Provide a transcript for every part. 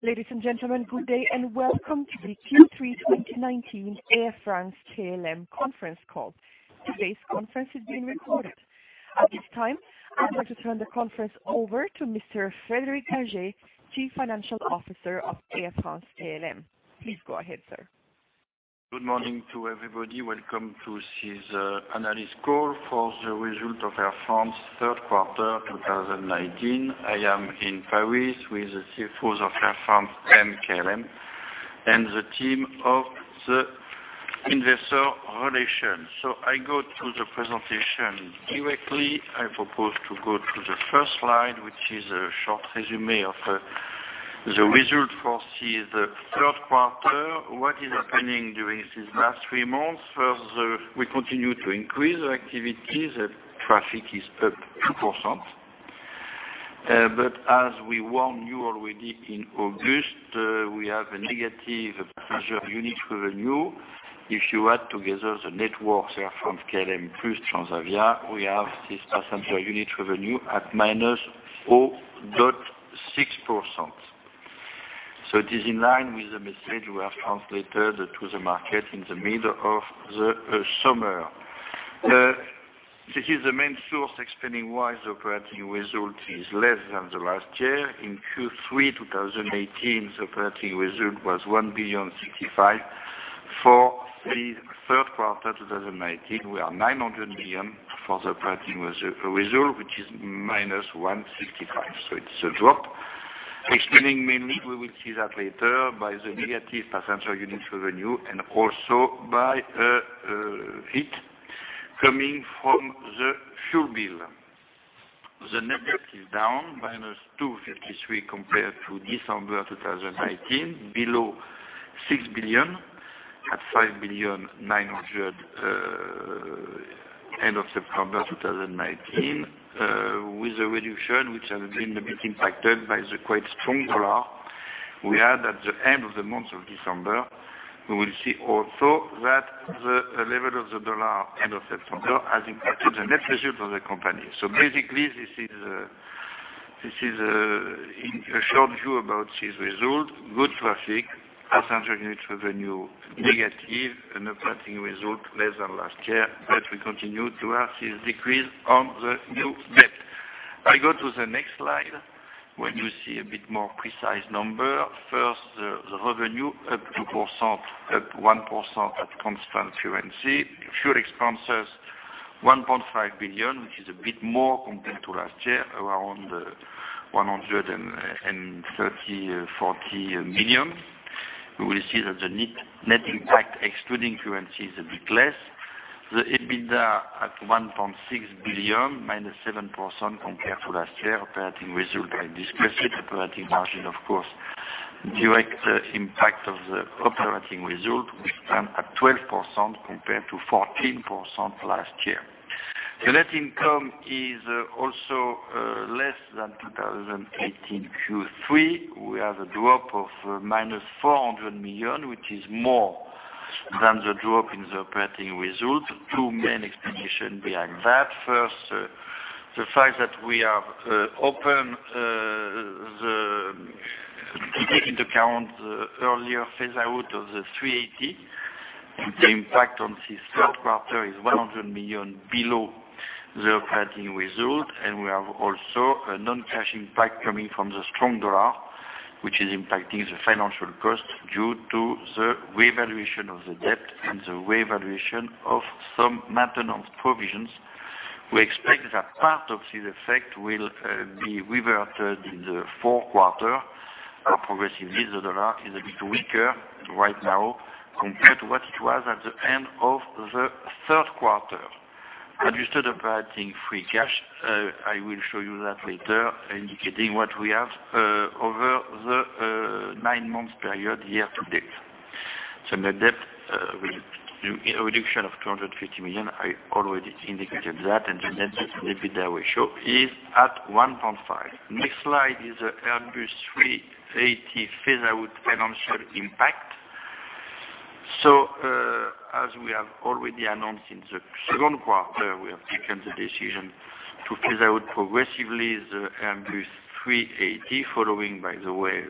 Ladies and gentlemen, good day and welcome to the Q3 2019 Air France-KLM conference call. Today's conference is being recorded. At this time, I'd like to turn the conference over to Mr. Frédéric Gagey, Chief Financial Officer of Air France-KLM. Please go ahead, sir. Good morning to everybody. Welcome to this analyst call for the result of Air France's Q3 2019. I am in Paris with the CFOs of Air France and KLM and the team of the investor relation. I go to the presentation directly. I propose to go to the first slide, which is a short resume of the result for this Q3, what is happening during these last three months. First, we continue to increase our activities. Traffic is up 2%. As we warned you already in August, we have a negative passenger unit revenue. If you add together the networks, Air France-KLM plus Transavia, we have this passenger unit revenue at -0.6%. It is in line with the message we have translated to the market in the middle of the summer. This is the main source explaining why the operating result is less than the last year. In Q3 2018, the operating result was 1.65 billion. For the Q3 2019, we are 900 million for the operating result, which is -165 million. It's a drop. Explaining mainly, we will see that later, by the negative passenger unit revenue and also by a hit coming from the fuel bill. The net debt is down -253 million compared to December 2019, below 6 billion, at 5.9 billion end of September 2019, with a reduction which has been a bit impacted by the quite strong dollar we had at the end of the month of December. We will see also that the level of the dollar end of September has impacted the net result of the company. Basically, this is a short view about this result. Good traffic, passenger unit revenue negative, operating result less than last year. We continue to have this decrease on the new debt. I go to the next slide, where you see a bit more precise number. First, the revenue up 2%, up 1% at constant currency. Fuel expenses, 1.5 billion, which is a bit more compared to last year, around 130 million-140 million. We will see that the net impact excluding currency is a bit less. The EBITDA at 1.6 billion, -7% compared to last year. Operating result, I discussed it. Operating margin, of course, direct impact of the operating result, which stand at 12% compared to 14% last year. The net income is also less than 2018 Q3. We have a drop of -400 million, which is more than the drop in the operating result. Two main explanation behind that. First, the fact that we have opened the take into account the earlier phase out of the 380. The impact on this Q3 is 100 million below the operating result. We have also a non-cash impact coming from the strong dollar, which is impacting the financial cost due to the revaluation of the debt and the revaluation of some maintenance provisions. We expect that part of this effect will be reverted in the Q4 progressively. The dollar is a bit weaker right now compared to what it was at the end of the Q3. Adjusted operating free cash, I will show you that later, indicating what we have over the nine months period, year-to-date. Net debt, a reduction of 250 million, I already indicated that, and the net debt, maybe I will show, is at 1.5. Next slide is Airbus A380 phase out financial impact. As we have already announced in the Q2, we have taken the decision to phase out progressively the Airbus A380, following, by the way,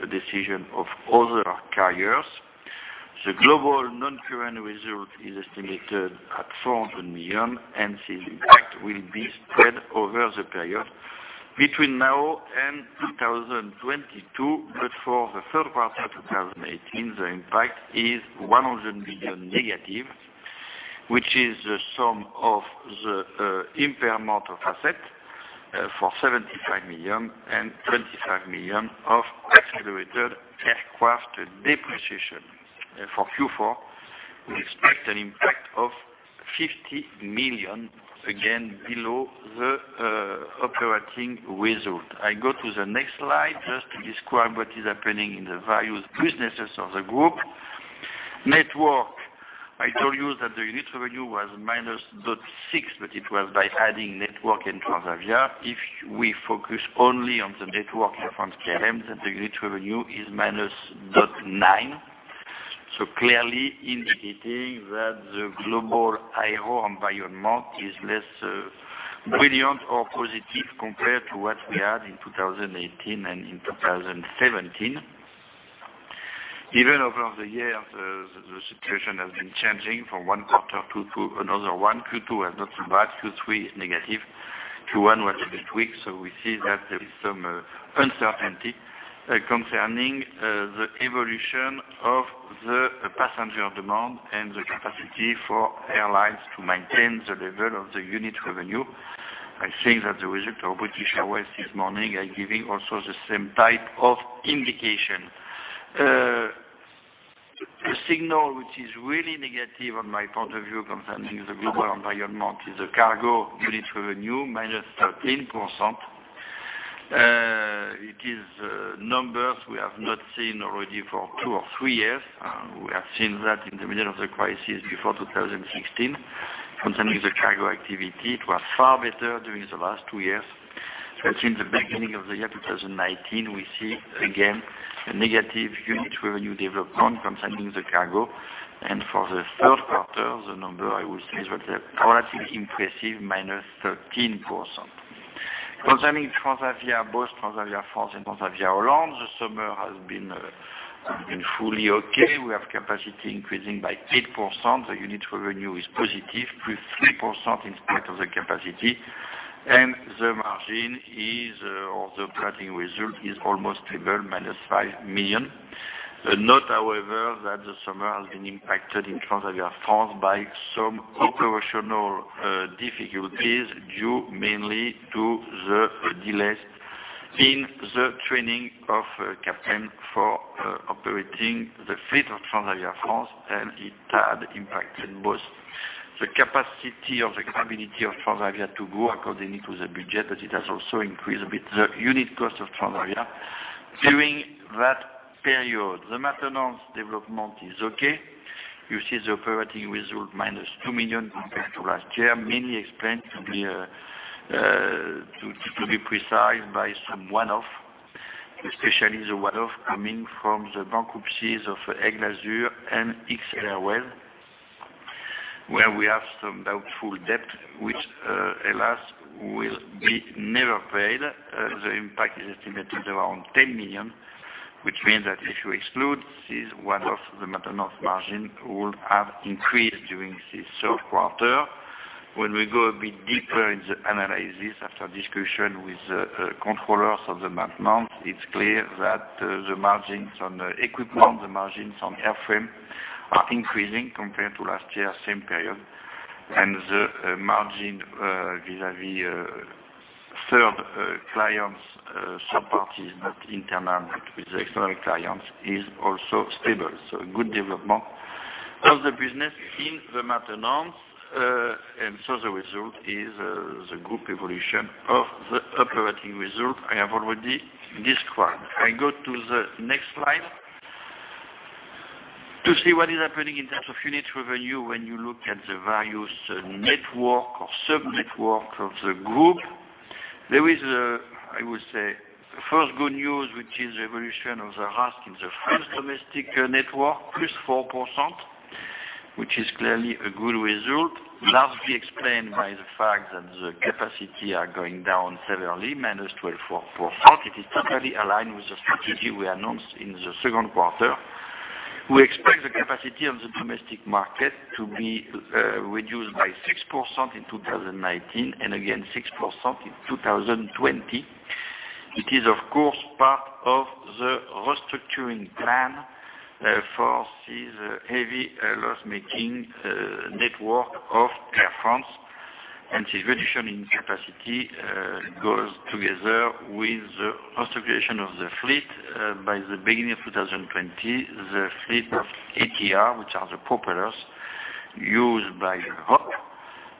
the decision of other carriers. The global non-current result is estimated at 400 million, this impact will be spread over the period between now and 2022. For the Q3 2018, the impact is 100 million negative, which is the sum of the impairment of asset for 75 million and 25 million of accelerated aircraft depreciation. For Q4, we expect an impact of 50 million, again below the operating result. I go to the next slide just to describe what is happening in the various businesses of the group. Network, I told you that the unit revenue was -0.6%, it was by adding network and Transavia. If we focus only on the network Air France-KLM, the unit revenue is -0.9%, clearly indicating that the global aero environment is less brilliant or positive compared to what we had in 2018 and 2017. Over the years, the situation has been changing from one quarter to another one. Q2 was not so bad, Q3 negative, Q1 was a bit weak. We see that there is some uncertainty concerning the evolution of the passenger demand and the capacity for airlines to maintain the level of the unit revenue. I think that the result of British Airways this morning is giving also the same type of indication. A signal which is really negative on my point of view concerning the global environment is the cargo unit revenue, -13%. It is numbers we have not seen already for two or three years. We have seen that in the middle of the crisis before 2016 concerning the cargo activity. It was far better during the last two years, in the beginning of the year, 2019, we see again a negative unit revenue development concerning the cargo. For the Q3, the number, I will say, is relatively impressive, -13%. Concerning Transavia, both Transavia France and Transavia Holland, the summer has been fully okay. We have capacity increasing by 8%. The unit revenue is positive, +3% in spite of the capacity. The margin, or the operating result, is almost stable, -5 million. Note, however, that the summer has been impacted in Transavia France by some operational difficulties due mainly to the delays in the training of captain for operating the fleet of Transavia France, and it had impacted both the capacity of the credibility of Transavia to grow according to the budget, but it has also increased a bit the unit cost of Transavia during that period. The maintenance development is okay. You see the operating result, -2 million compared to last year, mainly explained to be precise by some one-off, especially the one-off coming from the bankruptcies of Aigle Azur and XL Airways, where we have some doubtful debt, which, alas, will be never paid. The impact is estimated around 10 million, which means that if you exclude this one-off, the maintenance margin would have increased during this Q3. When we go a bit deeper in the analysis after discussion with the controllers of the maintenance, it's clear that the margins on equipment, the margins on airframe are increasing compared to last year, same period. The margin vis-à-vis third clients support is not internal, but with the external clients, is also stable. A good development of the business in the maintenance. The result is the group evolution of the operating result I have already described. I go to the next slide. To see what is happening in terms of unit revenue, when you look at the various network or subnetwork of the group, there is, I would say, first good news, which is evolution of the RASK in the French domestic network, +4%, which is clearly a good result, largely explained by the fact that the capacity are going down severely, -12.4%. It is totally aligned with the strategy we announced in the Q2. We expect the capacity on the domestic market to be reduced by 6% in 2019 and again 6% in 2020, which is of course, part of the restructuring plan for this heavy loss-making network of Air France. This reduction in capacity goes together with the restoration of the fleet. By the beginning of 2020, the fleet of ATR, which are the propellers used by Hop!,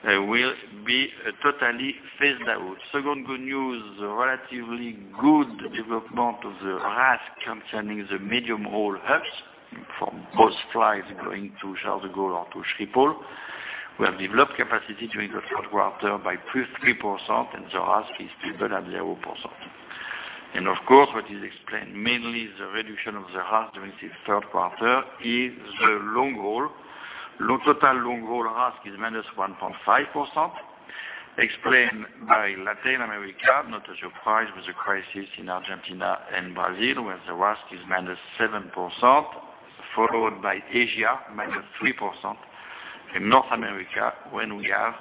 will be totally phased out. Second good news, relatively good development of the RASK concerning the medium-haul hubs from both flights going to Charles de Gaulle or to Schiphol. We have developed capacity during the Q3 by +3%, and the RASK is stable at 0%. Of course, what is explained mainly the reduction of the RASK during this Q3 is the long-haul. Total long-haul RASK is -1.5%, explained by Latin America, not a surprise with the crisis in Argentina and Brazil, where the RASK is -7%, followed by Asia, -3%, and North America, when we have,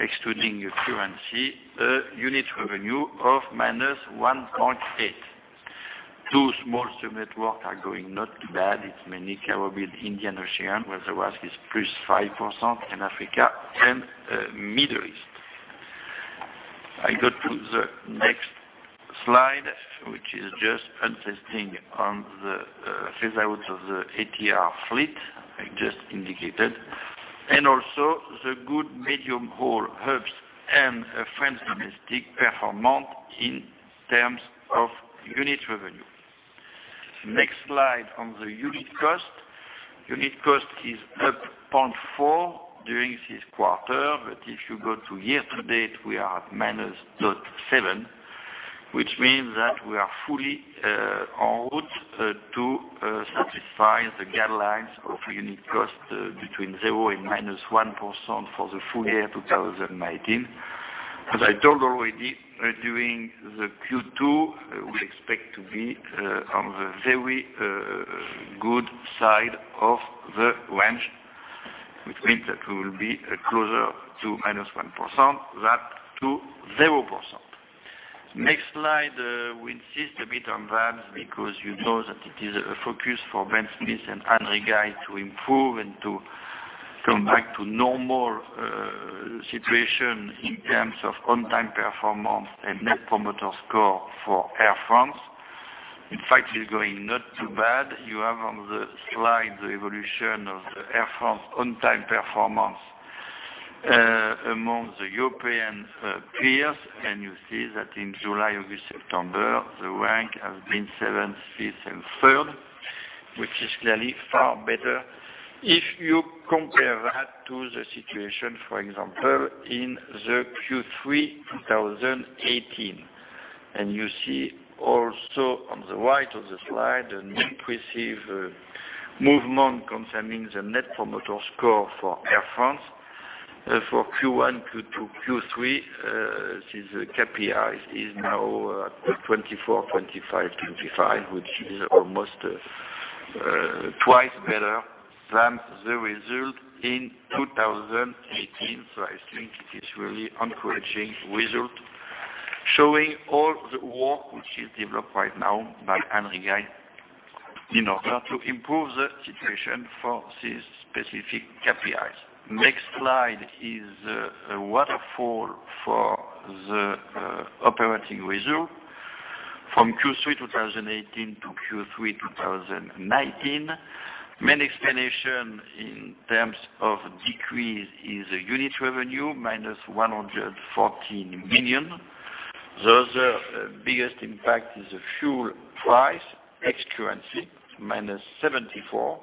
excluding the currency, a unit revenue of -1.8%. Two small subnetwork are going not too bad. It's mainly Caribbean, Indian Ocean, where the RASK is +5% in Africa and Middle East. I go to the next slide, which is just insisting on the phase outs of the ATR fleet I just indicated, and also the good medium-haul hubs and French domestic performance in terms of unit revenue. Next slide on the unit cost. Unit cost is up 0.4% during this quarter, but if you go to year-to-date, we are at -0.7%. Which means that we are fully en route to satisfy the guidelines of unit cost between 0% and -1% for the full year 2019. As I told already, during the Q2, we expect to be on the very good side of the range, which means that we will be closer to -1% than to 0%. Next slide. We insist a bit on KPI, because you know that it is a focus for Ben Smith and Anne Rigail to improve and to come back to normal situation in terms of on-time performance and net promoter score for Air France. In fact, it's going not too bad. You have on the slide, the evolution of Air France on-time performance among the European peers. You see that in July, August, September, the rank has been seventh, fifth, and third, which is clearly far better if you compare that to the situation, for example, in the Q3 2018. You see also on the right of the slide, a noticeable movement concerning the net promoter score for Air France. For Q1 to Q3, this KPI is now at 24, 25, which is almost twice better than the result in 2018. I think it is really encouraging result, showing all the work which is developed right now by Anne Rigail in order to improve the situation for these specific KPIs. Next slide is a waterfall for the operating result from Q3 2018 to Q3 2019. Main explanation in terms of decrease is unit revenue, -114 million. The other biggest impact is the fuel price, ex currency, -74.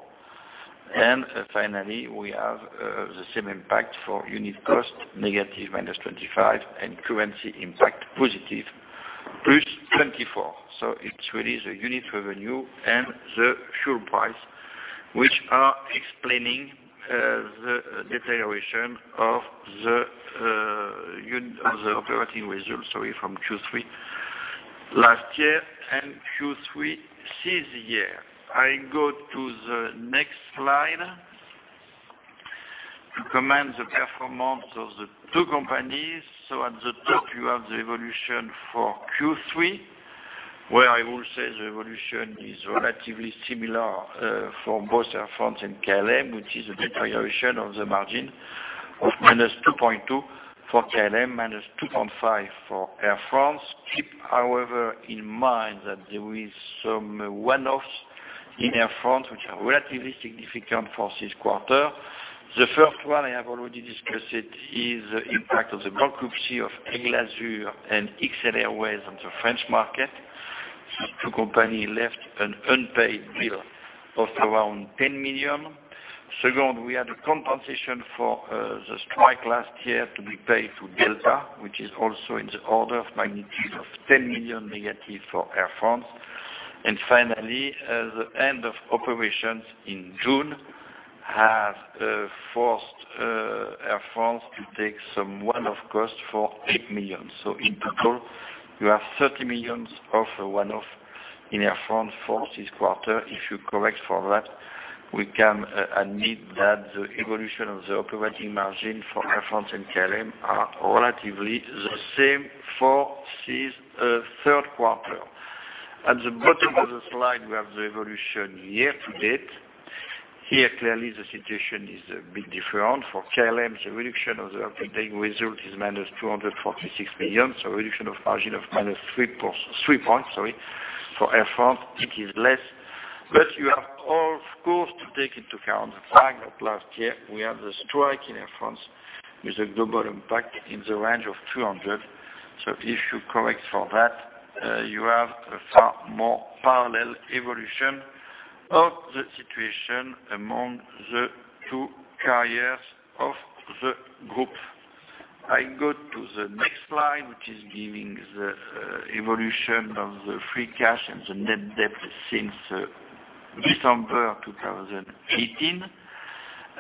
Finally, we have the same impact for unit cost, negative -25, and currency impact, positive, +24. It's really the unit revenue and the fuel price, which are explaining the deterioration of the operating result from Q3 last year and Q3 this year. I go to the next slide. To comment on the performance of the two companies. At the top, you have the evolution for Q3, where I will say the evolution is relatively similar, for both Air France and KLM, which is a deterioration of the margin of -2.2 for KLM, -2.5 for Air France. Keep, however, in mind that there is some one-offs in Air France, which are relatively significant for this quarter. The first one I have already discussed, it is the impact of the bankruptcy of Aigle Azur and XL Airways on the French market. These two company left an unpaid bill of around 10 million. Second, we had a compensation for the strike last year to be paid to Delta, which is also in the order of magnitude of -10 million negative for Air France. Finally, the end of operations in Joon has forced Air France to take some one-off cost for 8 million. In total, you have 30 million of one-off in Air France for this quarter. If you correct for that, we can admit that the evolution of the operating margin for Air France and KLM are relatively the same for this Q3. At the bottom of the slide, we have the evolution year-to-date. Here, clearly, the situation is a bit different. For KLM, the reduction of the operating result is -246 million, so reduction of margin of -3 points. For Air France, it is less. You have, of course, to take into account the fact that last year we had the strike in Air France with a global impact in the range of 200 million. If you correct for that, you have a far more parallel evolution of the situation among the two carriers of the group. I go to the next slide, which is giving the evolution of the free cash and the net debt since December 2018.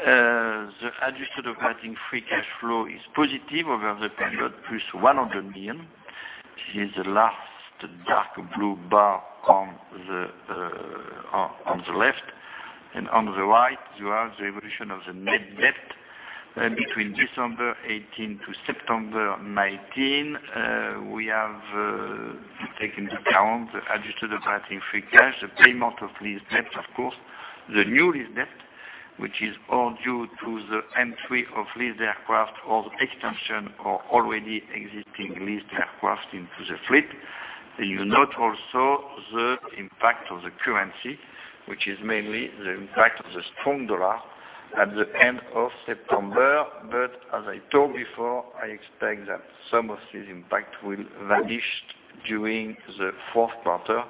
The adjusted operating free cash flow is positive over the period, +100 million, is the last dark blue bar on the left. On the right, you have the evolution of the net debt between December 2018 to September 2019. We have taken into account the adjusted operating free cash, the payment of lease debt, of course, the new lease debt, which is all due to the entry of leased aircraft or extension of already existing leased aircraft into the fleet. You note also the impact of the currency, which is mainly the impact of the strong dollar at the end of September. As I told before, I expect that some of this impact will vanish during the Q4.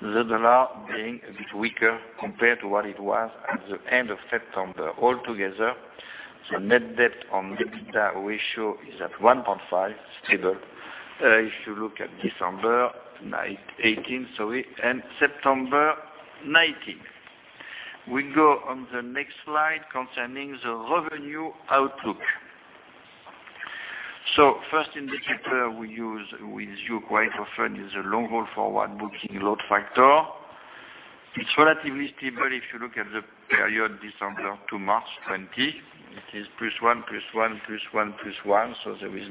the dollar being a bit weaker compared to what it was at the end of September. Altogether, the net debt on the EBITDA ratio is at 1.5x, stable. If you look at December 2018, and September 2019. We go on the next slide concerning the revenue outlook. First indicator we use with you quite often is the long-haul forward booking load factor. It is relatively stable if you look at the period December to March 2020. It is plus one, plus one, plus one, plus one. There is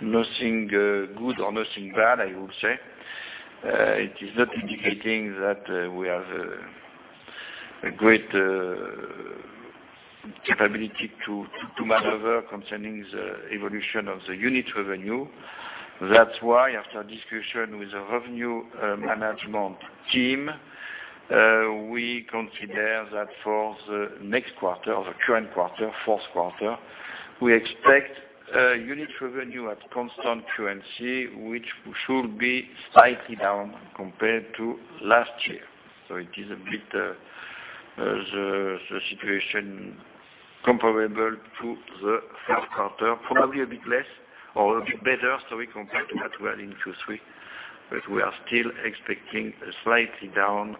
nothing good or nothing bad, I would say. It is not indicating that we have a great capability to maneuver concerning the evolution of the unit revenue. That is why, after discussion with the revenue management team, we consider that for the next quarter, or the current quarter, Q4, we expect unit revenue at constant currency, which should be slightly down compared to last year. It is a bit, the situation comparable to the Q3, probably a bit less or a bit better. We compared to that well in Q3. We are still expecting a slightly down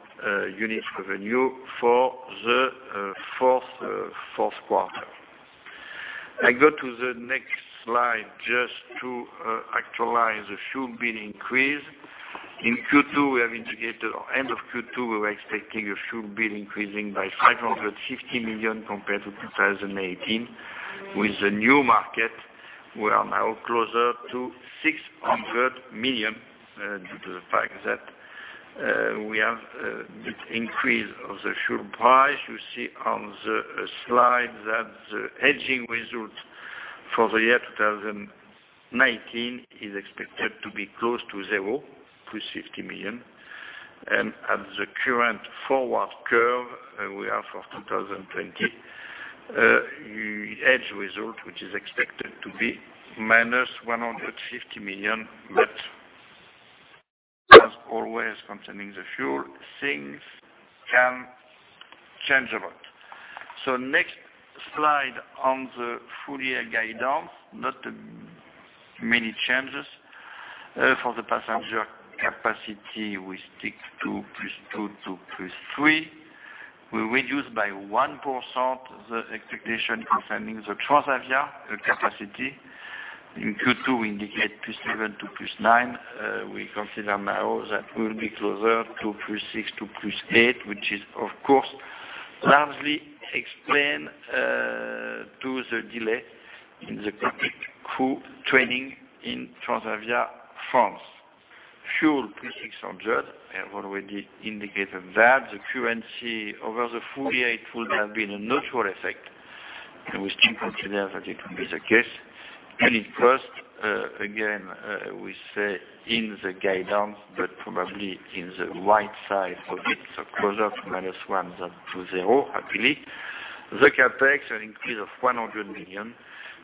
unit revenue for the Q4. I go to the next slide just to actualize the fuel bill increase. In Q2, we have indicated, or end of Q2, we were expecting a fuel bill increasing by 550 million compared to 2018. With the new market, we are now closer to 600 million, due to the fact that we have a bit increase of the fuel price. You see on the slide that the hedging result for the year 2019 is expected to be close to zero, plus 50 million, and at the current forward curve we have for 2020, hedge result, which is expected to be -150 million. As always, concerning the fuel, things can change a lot. Next slide on the full year guidance. Not many changes. For the passenger capacity, we stick to +2% to +3%. We reduce by 1% the expectation concerning the Transavia capacity. In Q2, we indicate +7% to +9%. We consider now that we'll be closer to +6% to +8%, which is, of course, largely explained to the delay in the cockpit crew training in Transavia France. Fuel, +600. I have already indicated that. The currency, over the full year, it would have been a neutral effect, and we still consider that it will be the case. Unit cost, again, we say in the guidance, but probably in the wide side of it, so closer to -1% than to 0%, happily. The CapEx, an increase of 100 million,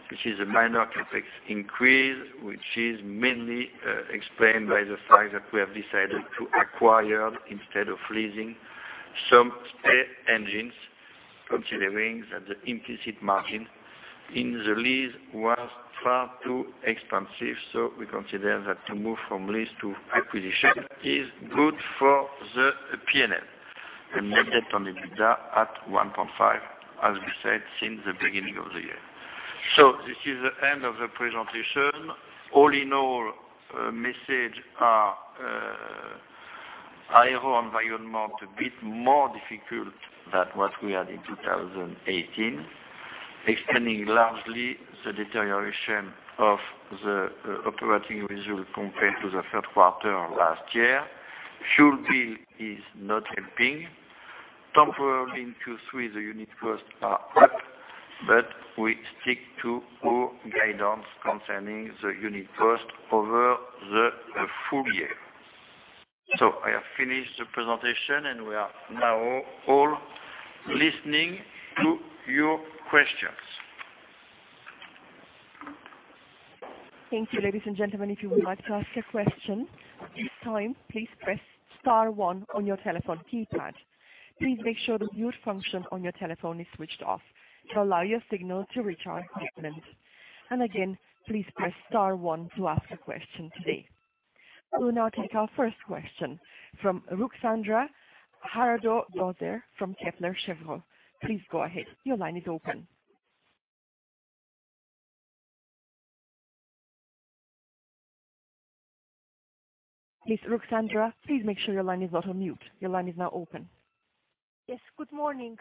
which is a minor CapEx increase, which is mainly explained by the fact that we have decided to acquire instead of leasing some engines, considering that the implicit margin in the lease was far too expensive. We consider that to move from lease to acquisition is good for the P&L. The net debt on EBITDA at 1.5x, as we said, since the beginning of the year. This is the end of the presentation. All in all, message are: aero environment a bit more difficult than what we had in 2018, explaining largely the deterioration of the operating result compared to the Q3 last year. Fuel bill is not helping. Temporarily in Q3, the unit costs are up, but we stick to our guidance concerning the unit cost over the full year. I have finished the presentation, and we are now all listening to your questions. Thank you. Ladies and gentlemen, if you would like to ask a question at this time, please press star one on your telephone keypad. Please make sure the mute function on your telephone is switched off to allow your signal to reach our conference. Again, please press star one to ask a question today. We will now take our first question from Ruxandra Haradau-Döser from Kepler Cheuvreux. Please go ahead. Your line is open. Ms. Ruxandra, please make sure your line is not on mute. Your line is now open. Yes. Good morning.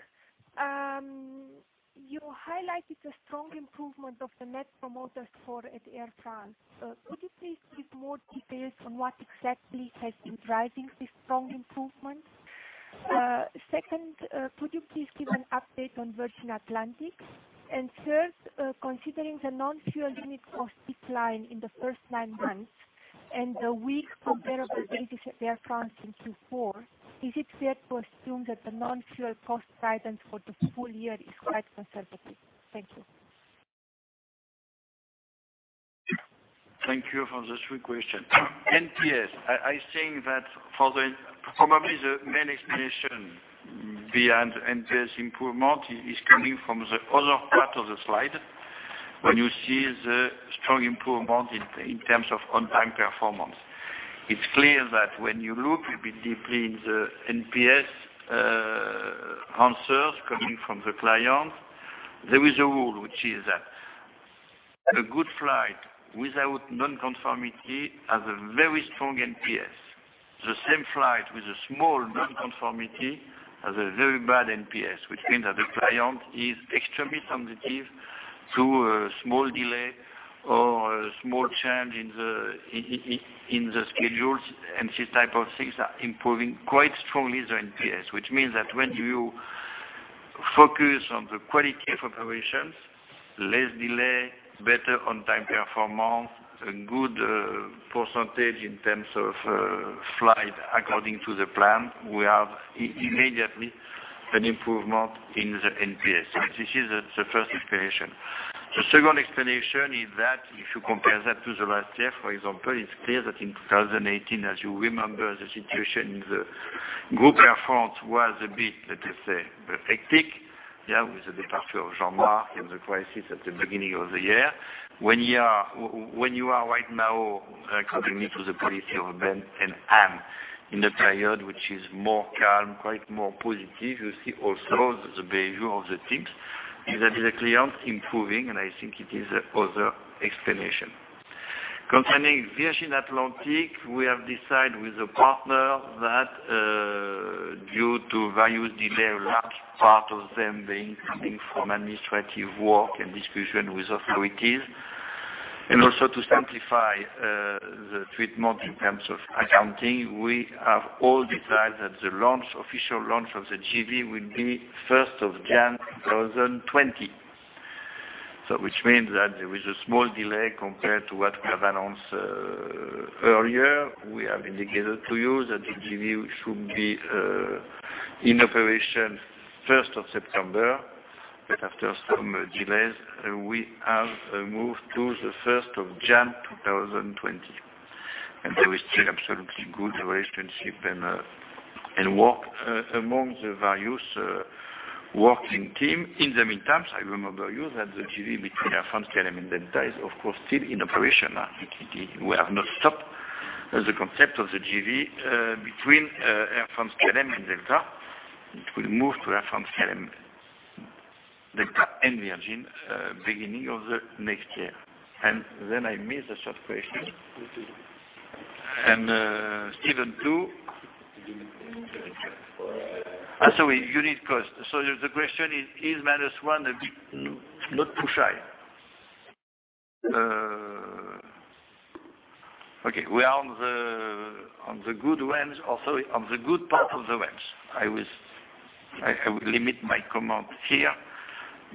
You highlighted a strong improvement of the Net Promoter Score at Air France. Could you please give more details on what exactly has been driving this strong improvement? Second, could you please give an update on Virgin Atlantic? Third, considering the non-fuel unit cost decline in the first nine months and the weak comparable basis at Air France in Q4, is it fair to assume that the non-fuel cost guidance for the full year is quite conservative? Thank you. Thank you for the three questions. NPS, I think that probably the main explanation behind NPS improvement is coming from the other part of the slide. When you see the strong improvement in terms of on-time performance, it is clear that when you look a bit deeply in the NPS answers coming from the client, there is a rule which is that a good flight without non-conformity has a very strong NPS. The same flight with a small non-conformity has a very bad NPS, which means that the client is extremely sensitive to a small delay or a small change in the schedules. These type of things are improving quite strongly the NPS, which means that when you focus on the quality of operations, less delay, better on-time performance, a good percentage in terms of flight according to the plan, we have immediately an improvement in the NPS. This is the first explanation. The second explanation is that if you compare that to the last year, for example, it is clear that in 2018, as you remember, the situation in the Air France was a bit, let us say, hectic. With the departure of Jean-Marc and the crisis at the beginning of the year. When you are right now comparing it to the policy of Ben and Anne in a period which is more calm, quite more positive, you see also the behavior of the teams, and that is the client improving, and I think it is the other explanation. Concerning Virgin Atlantic, we have decided with the partner that, due to various delays, a large part of them being coming from administrative work and discussion with authorities, and also to simplify the treatment in terms of accounting, we have all decided that the official launch of the JV will be 1st of January 2020. Which means that there is a small delay compared to what we have announced earlier. We have indicated to you that the JV should be in operation 1st of September, after some delays, we have moved to the 1st of January 2020. There is still absolutely good relationship and work among the various working team. In the meantime, I remember you that the JV between Air France-KLM and Delta is, of course, still in operation. We have not stopped the concept of the JV between Air France-KLM and Delta, which will move to Air France-KLM, Delta and Virgin beginning of the next year. I miss the third question. Steven Zaat? Sorry, unit cost. The question is minus one not too shy? Okay, we are on the good part of the range. I will limit my comment here,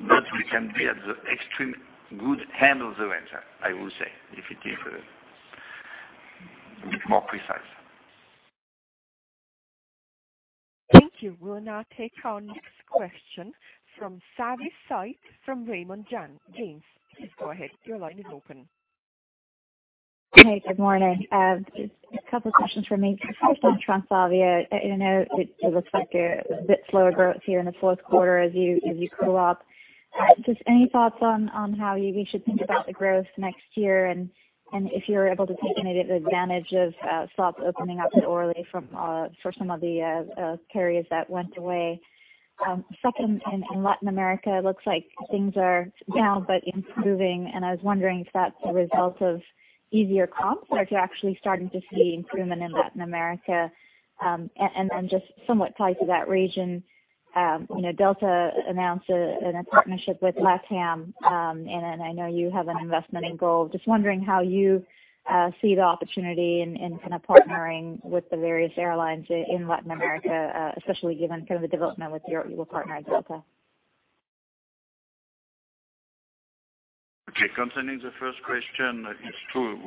but we can be at the extreme good end of the range, I will say, if it is a bit more precise. Thank you. We will now take our next question from Savanthi Syth from Raymond James. Please go ahead. Your line is open. Hey, good morning. Just a couple questions from me. First on Transavia. I know it looks like a bit slower growth here in the Q4 as you grew up. Just any thoughts on how we should think about the growth next year, and if you're able to take any advantage of slots opening up at Orly for some of the carriers that went away. Second, in Latin America, looks like things are down but improving, and I was wondering if that's a result of easier comps or if you're actually starting to see improvement in Latin America. Just somewhat tied to that region, Delta announced a partnership with LATAM, and I know you have an investment in Gol. Just wondering how you see the opportunity in partnering with the various airlines in Latin America, especially given the development with your partner, Delta. Concerning the first question, it's true,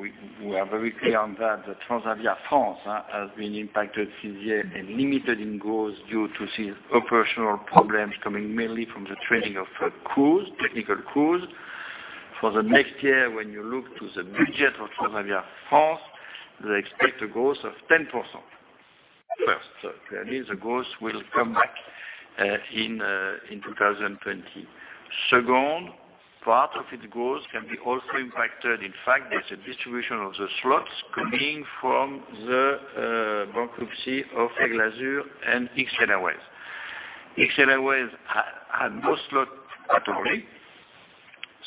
we are very clear on that Transavia France has been impacted this year and limited in growth due to these operational problems coming mainly from the training of technical crews. The next year, when you look to the budget of Transavia France, they expect a growth of 10%. First, clearly, the growth will come back in 2020. Second, part of its growth can be also impacted, in fact, with the distribution of the slots coming from the bankruptcy of Aigle Azur and XL Airways. XL Airways had no slot at Orly,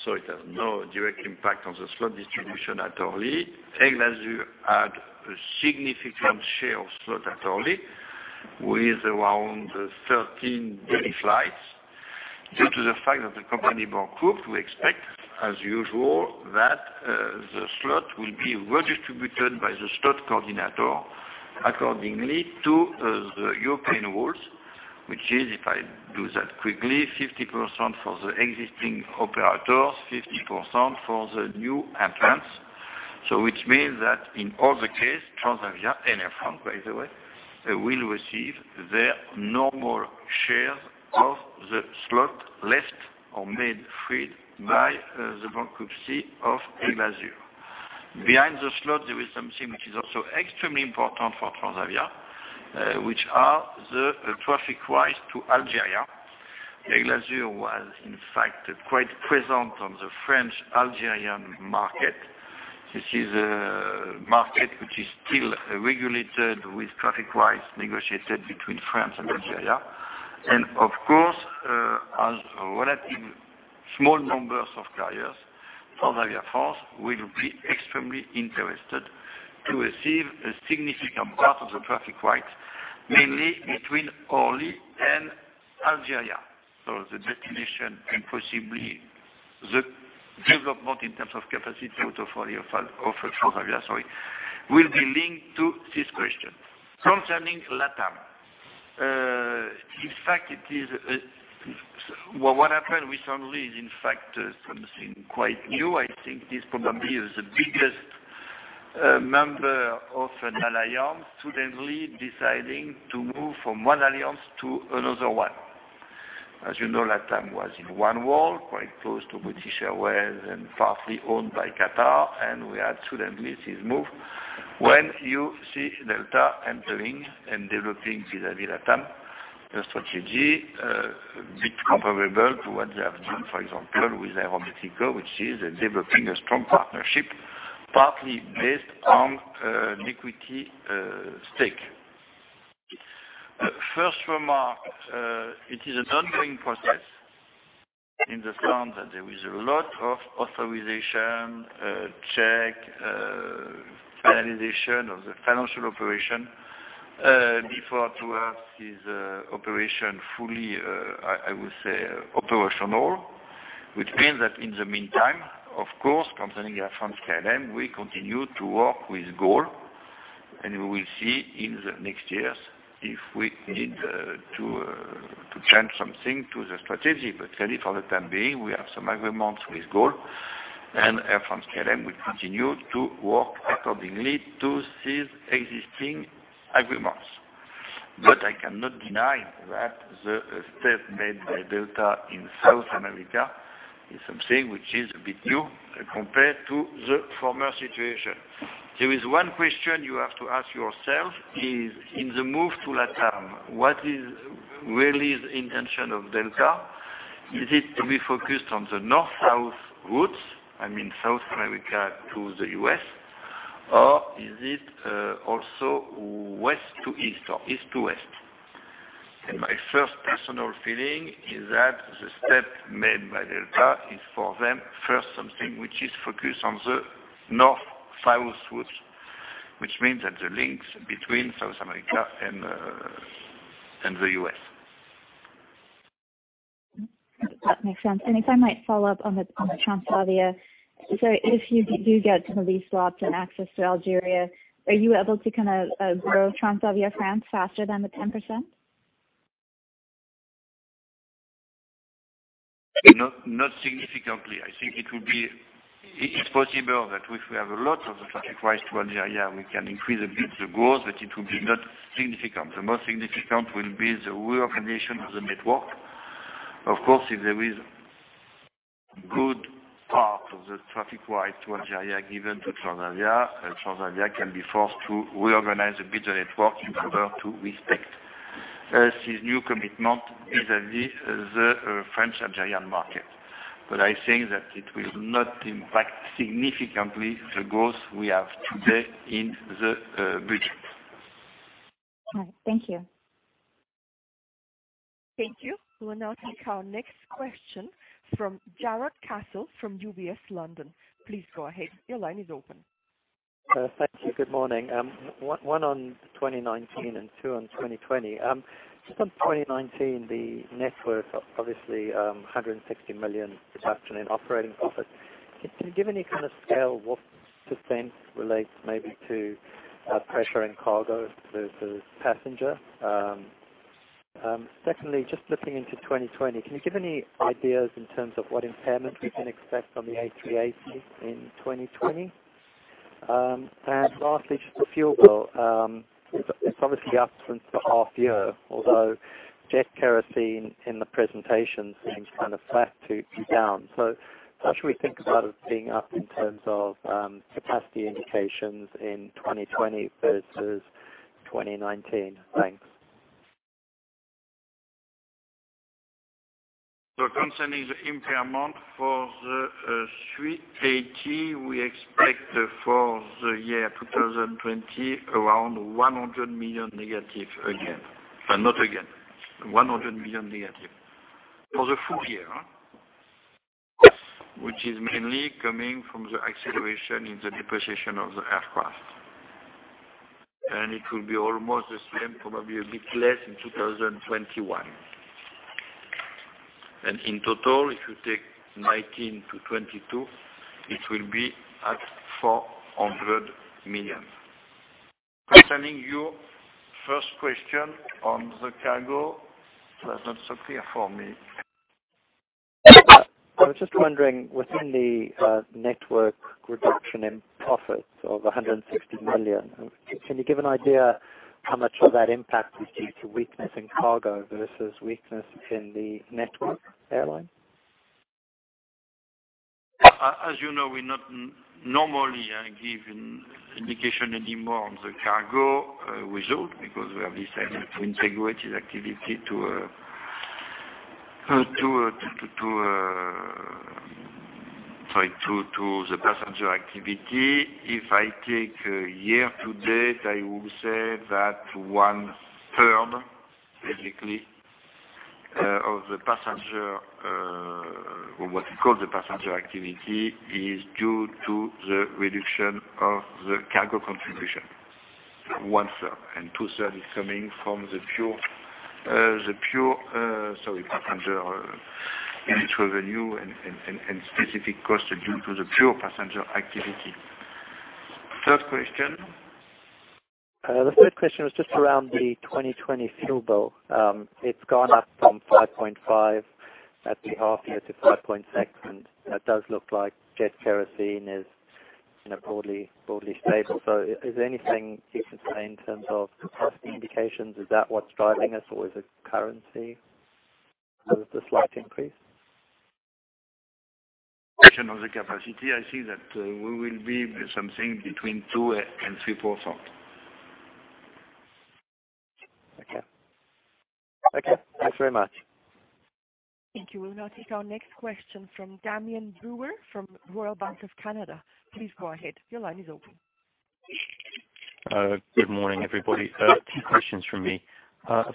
so it has no direct impact on the slot distribution at Orly. Aigle Azur had a significant share of slot at Orly with around 13 daily flights. Due to the fact that the company bankrupt, we expect, as usual, that the slot will be redistributed by the slot coordinator accordingly to the European rules, which is, if I do that quickly, 50% for the existing operators, 50% for the new entrants. Which means that in all the cases, Transavia and Air France, by the way, will receive their normal shares of the slot left or made free by the bankruptcy of Aigle Azur. Behind the slot, there is something which is also extremely important for Transavia, which are the traffic rights to Algeria. Aigle Azur was, in fact, quite present on the French-Algerian market. This is a market which is still regulated with traffic rights negotiated between France and Algeria. Of course, as a relative small number of carriers, Transavia France will be extremely interested to receive a significant part of the traffic rights, mainly between Orly and Algeria. The destination and possibly the development in terms of capacity out of Orly, out of Transavia, sorry, will be linked to this question. Concerning LATAM. What happened recently is, in fact, something quite new. I think this probably is the biggest member of an alliance suddenly deciding to move from one alliance to another one. As you know, LATAM was in OneWorld, quite close to British Airways and partly owned by Qatar. We had suddenly this move. When you see Delta entering and developing vis-à-vis LATAM, the strategy, a bit comparable to what they have done, for example, with Aeroméxico, which is developing a strong partnership, partly based on equity stake. First remark, it is an ongoing process in the sense that there is a lot of authorization, check, validation of the financial operation, before to have this operation fully, I would say, operational, which means that in the meantime, of course, concerning Air France-KLM, we continue to work with GOL, and we will see in the next years if we need to change something to the strategy. Certainly for the time being, we have some agreements with GOL, and Air France-KLM will continue to work accordingly to these existing agreements. I cannot deny that the step made by Delta in South America is something which is a bit new compared to the former situation. There is one question you have to ask yourself is, in the move to LATAM, what is really the intention of Delta? Is it to be focused on the North-South routes, I mean South America to the U.S., or is it also West to East or East to West? My first personal feeling is that the step made by Delta is for them first something which is focused on the North-South routes, which means that the links between South America and the U.S. That makes sense. If I might follow up on the Transavia. If you do get some of these slots and access to Algeria, are you able to grow Transavia France faster than the 10%? Not significantly. I think it's possible that if we have a lot of the traffic rights to Algeria, we can increase a bit the growth. It will be not significant. The most significant will be the reorganization of the network. Of course, if there is good part of the traffic right to Algeria given to Transavia can be forced to reorganize a bit the network in order to respect this new commitment vis-à-vis the French-Algerian market. I think that it will not impact significantly the growth we have today in the budget. All right. Thank you. Thank you. We will now take our next question from Jarrod Castle from UBS London. Please go ahead. Your line is open. Thank you. Good morning. One on 2019 and two on 2020. Just on 2019, the network, obviously, 160 million deduction in operating profit. Can you give any kind of scale what percent relates maybe to pressure in cargo versus passenger? Secondly, just looking into 2020, can you give any ideas in terms of what impairment we can expect on the A380 in 2020? Lastly, just the fuel bill. It's obviously up since the half year, although jet kerosene in the presentation seems kind of flat to down. How should we think about it being up in terms of capacity indications in 2020 versus 2019? Thanks. Concerning the impairment for the A380, we expect for the year 2020, around -100 million again. Not again, -100 million for the full year. Which is mainly coming from the acceleration in the depreciation of the aircraft. It will be almost the same, probably a bit less in 2021. In total, if you take 2019 to 2022, it will be at 400 million. Concerning your first question on the cargo, that's not so clear for me. I was just wondering, within the network reduction in profits of 160 million, can you give an idea how much of that impact was due to weakness in cargo versus weakness in the network airline? As you know, we not normally give an indication anymore on the cargo result, because we have decided to integrate this activity to the passenger activity. If I take year-to-date, I would say that one-third, basically, of what we call the passenger activity, is due to the reduction of the cargo contribution. One-third. Two-third is coming from the pure passenger unit revenue and specific cost due to the pure passenger activity. Third question? The third question was just around the 2020 fuel bill. It's gone up from 5.5 at the half year to 5.6, and it does look like jet kerosene is broadly stable. Is there anything you can say in terms of cost indications? Is that what's driving us, or is it currency, the slight increase? Question of the capacity, I see that we will be something between 2% and 3%. Okay. Thanks very much. Thank you. We'll now take our next question from Damian Brewer from Royal Bank of Canada. Please go ahead. Your line is open. Good morning, everybody. two questions from me.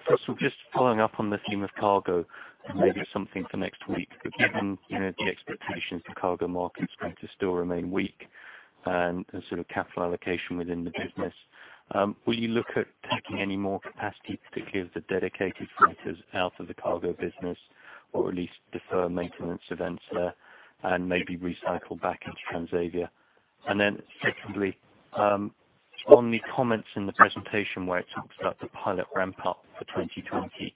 First of all, just following up on the theme of cargo, and maybe something for next week. Given the expectations the cargo market's going to still remain weak and capital allocation within the business, will you look at taking any more capacity, particularly of the dedicated freighters out of the cargo business, or at least defer maintenance events there and maybe recycle back into Transavia? Secondly, on the comments in the presentation where it talks about the pilot ramp up for 2020,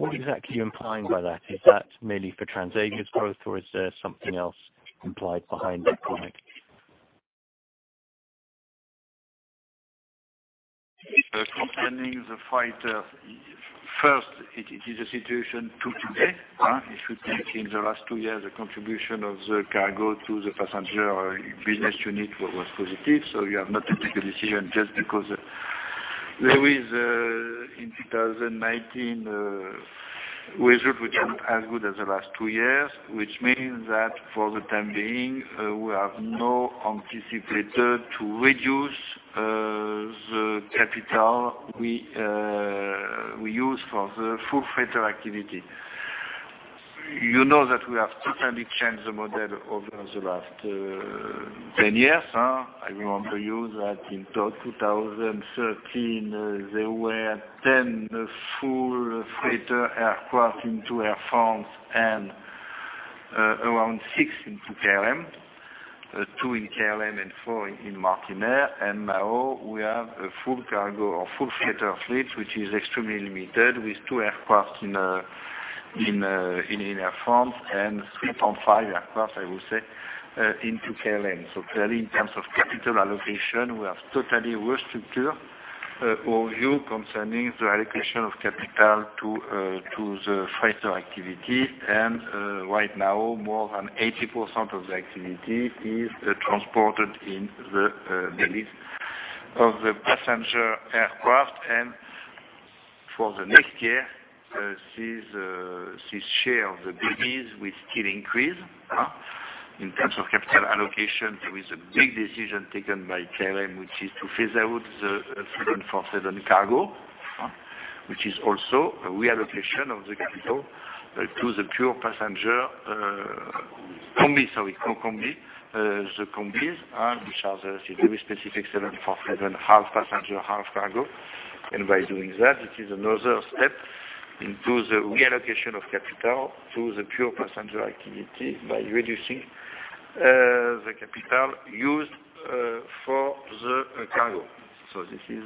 what exactly are you implying by that? Is that mainly for Transavia's growth, or is there something else implied behind that comment? Concerning the freighter, first, it is a situation today. If you take in the last two years, the contribution of the cargo to the passenger business unit was positive. You have not to take a decision just because there is, in 2019, result which isn't as good as the last two years, which means that for the time being, we have no anticipator to reduce the capital we use for the full freighter activity. You know that we have totally changed the model over the last 10 years. I remind to you that in 2013, there were 10 full freighter aircraft into Air France and around six into KLM, two in KLM and four in Martinair. Now we have a full cargo or full freighter fleet, which is extremely limited, with two aircraft in Air France and 3.5 aircraft, I would say, in KLM. Clearly, in terms of capital allocation, we have totally restructured our view concerning the allocation of capital to the freighter activity, and right now, more than 80% of the activity is transported in the bellies of the passenger aircraft. For the next year, this share of the bellies will still increase. In terms of capital allocation, there is a big decision taken by KLM, which is to phase out the 747 cargo, which is also a reallocation of the capital to the pure passenger combi. Sorry, the combis, which are the specific 747, half passenger, half cargo. By doing that, it is another step into the reallocation of capital to the pure passenger activity by reducing the capital used for the cargo. This is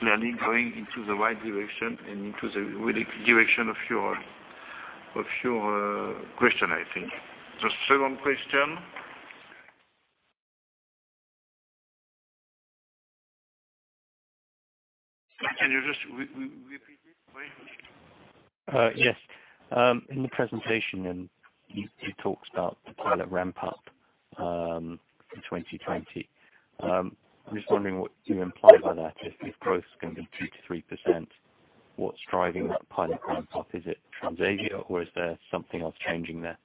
clearly going into the right direction and into the direction of your question, I think. The second question? Can you just repeat please? Yes. In the presentation, you talked about the pilot ramp up for 2020. I'm just wondering what you imply by that. If growth is going to be 2%-3%, what's driving that pilot ramp up? Is it Transavia, or is there something else changing there?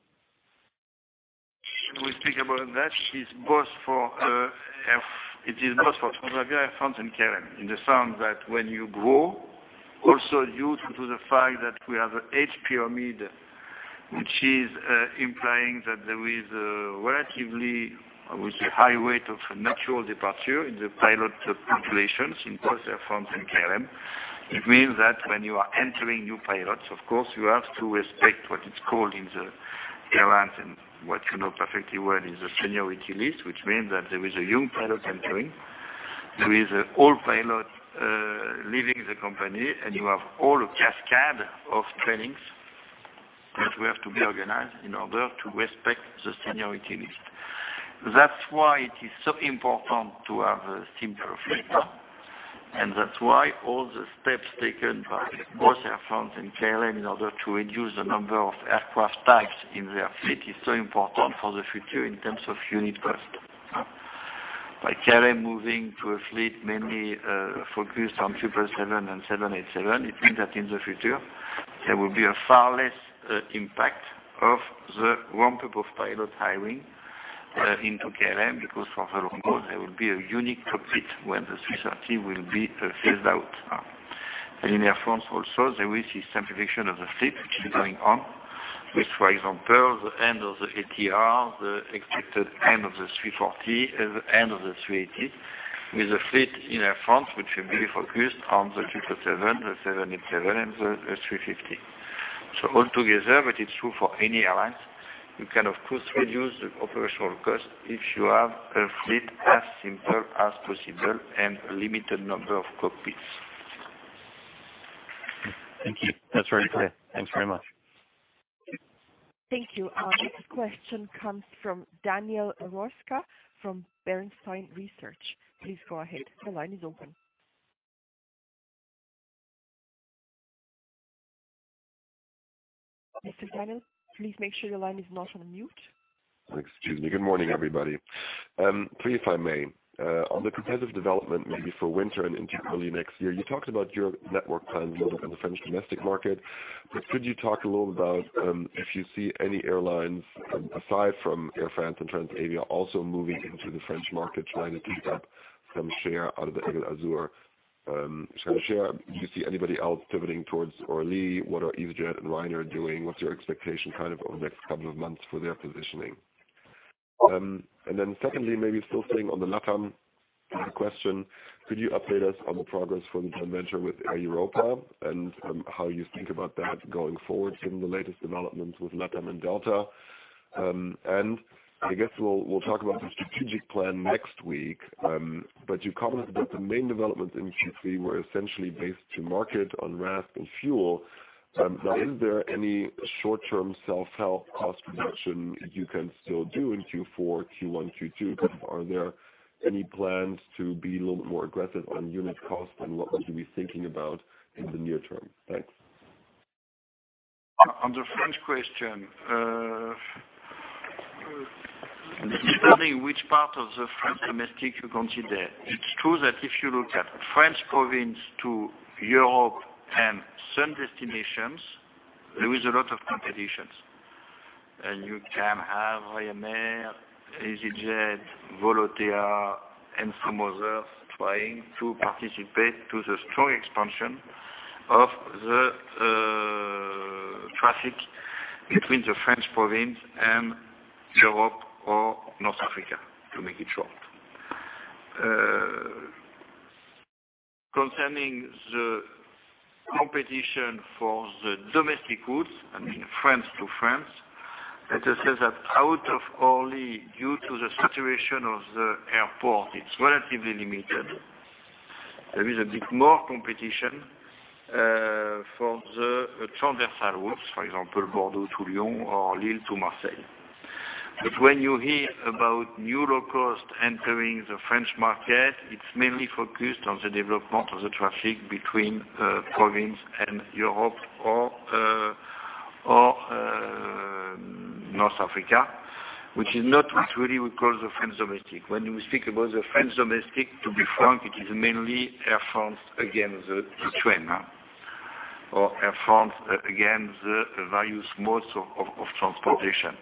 When we speak about that, it is both for Transavia, Air France and KLM, in the sense that when you grow, also due to the fact that we have an age pyramid, which is implying that there is relatively, I would say, high rate of natural departure in the pilot populations in both Air France and KLM. It means that when you are entering new pilots, of course, you have to respect what it's called in the airlines and what you know perfectly well is a seniority list, which means that there is a young pilot entering. There is an old pilot leaving the company, and you have all cascade of trainings that we have to be organized in order to respect the seniority list. That's why it is so important to have a simpler fleet. That's why all the steps taken by both Air France and KLM in order to reduce the number of aircraft types in their fleet is so important for the future in terms of unit cost. By KLM moving to a fleet mainly focused on 777 and 787, it means that in the future, there will be a far less impact of the ramp-up of pilot hiring into KLM, because for the long haul, there will be a unique cockpit when the 340 will be phased out. In Air France also, there is simplification of the fleet, which is going on, with, for example, the end of the ATR, the expected end of the 340, and the end of the 380, with a fleet in Air France, which will be focused on the 777, the 787, and the 350. Altogether, but it's true for any alliance, you can, of course, reduce the operational cost if you have a fleet as simple as possible and a limited number of cockpits. Thank you. That is very clear. Thanks very much. Thank you. Our next question comes from Daniel Roeska from Bernstein Research. Please go ahead. The line is open. Mr. Daniel, please make sure your line is not on mute. Excuse me. Good morning, everybody. Please, if I may, on the competitive development, maybe for winter and into early next year, you talked about your network plans a little bit on the French domestic market, but could you talk a little about if you see any airlines aside from Air France and Transavia also moving into the French market trying to pick up some share out of the Aigle Azur share? Do you see anybody else pivoting towards Orly? What are easyJet and Ryanair doing? What's your expectation over the next couple of months for their positioning? Secondly, maybe still staying on the LATAM question, could you update us on the progress for the joint venture with Air Europa and how you think about that going forward, given the latest developments with LATAM and Delta? I guess we'll talk about the strategic plan next week. You commented that the main developments in Q3 were essentially based to market on RASK and fuel. Is there any short-term self-help cost reduction you can still do in Q4, Q1, Q2? Are there any plans to be a little bit more aggressive on unit cost? What would you be thinking about in the near term? Thanks. On the French question, it's depending which part of the French domestic you consider. It's true that if you look at French province to Europe and sun destinations, there is a lot of competition. You can have Ryanair, easyJet, Volotea, and some others trying to participate to the strong expansion of the traffic between the French province and Europe or North Africa, to make it short. Concerning the competition for the domestic routes, I mean, France to France, let us say that out of Orly, due to the saturation of the airport, it's relatively limited. There is a bit more competition for the transversal routes, for example, Bordeaux to Lyon or Lille to Marseille. When you hear about new low cost entering the French market, it's mainly focused on the development of the traffic between province and Europe or North Africa, which is not what really we call the France domestic. When we speak about the France domestic, to be frank, it is mainly Air France against the train, or Air France against the various modes of transportation.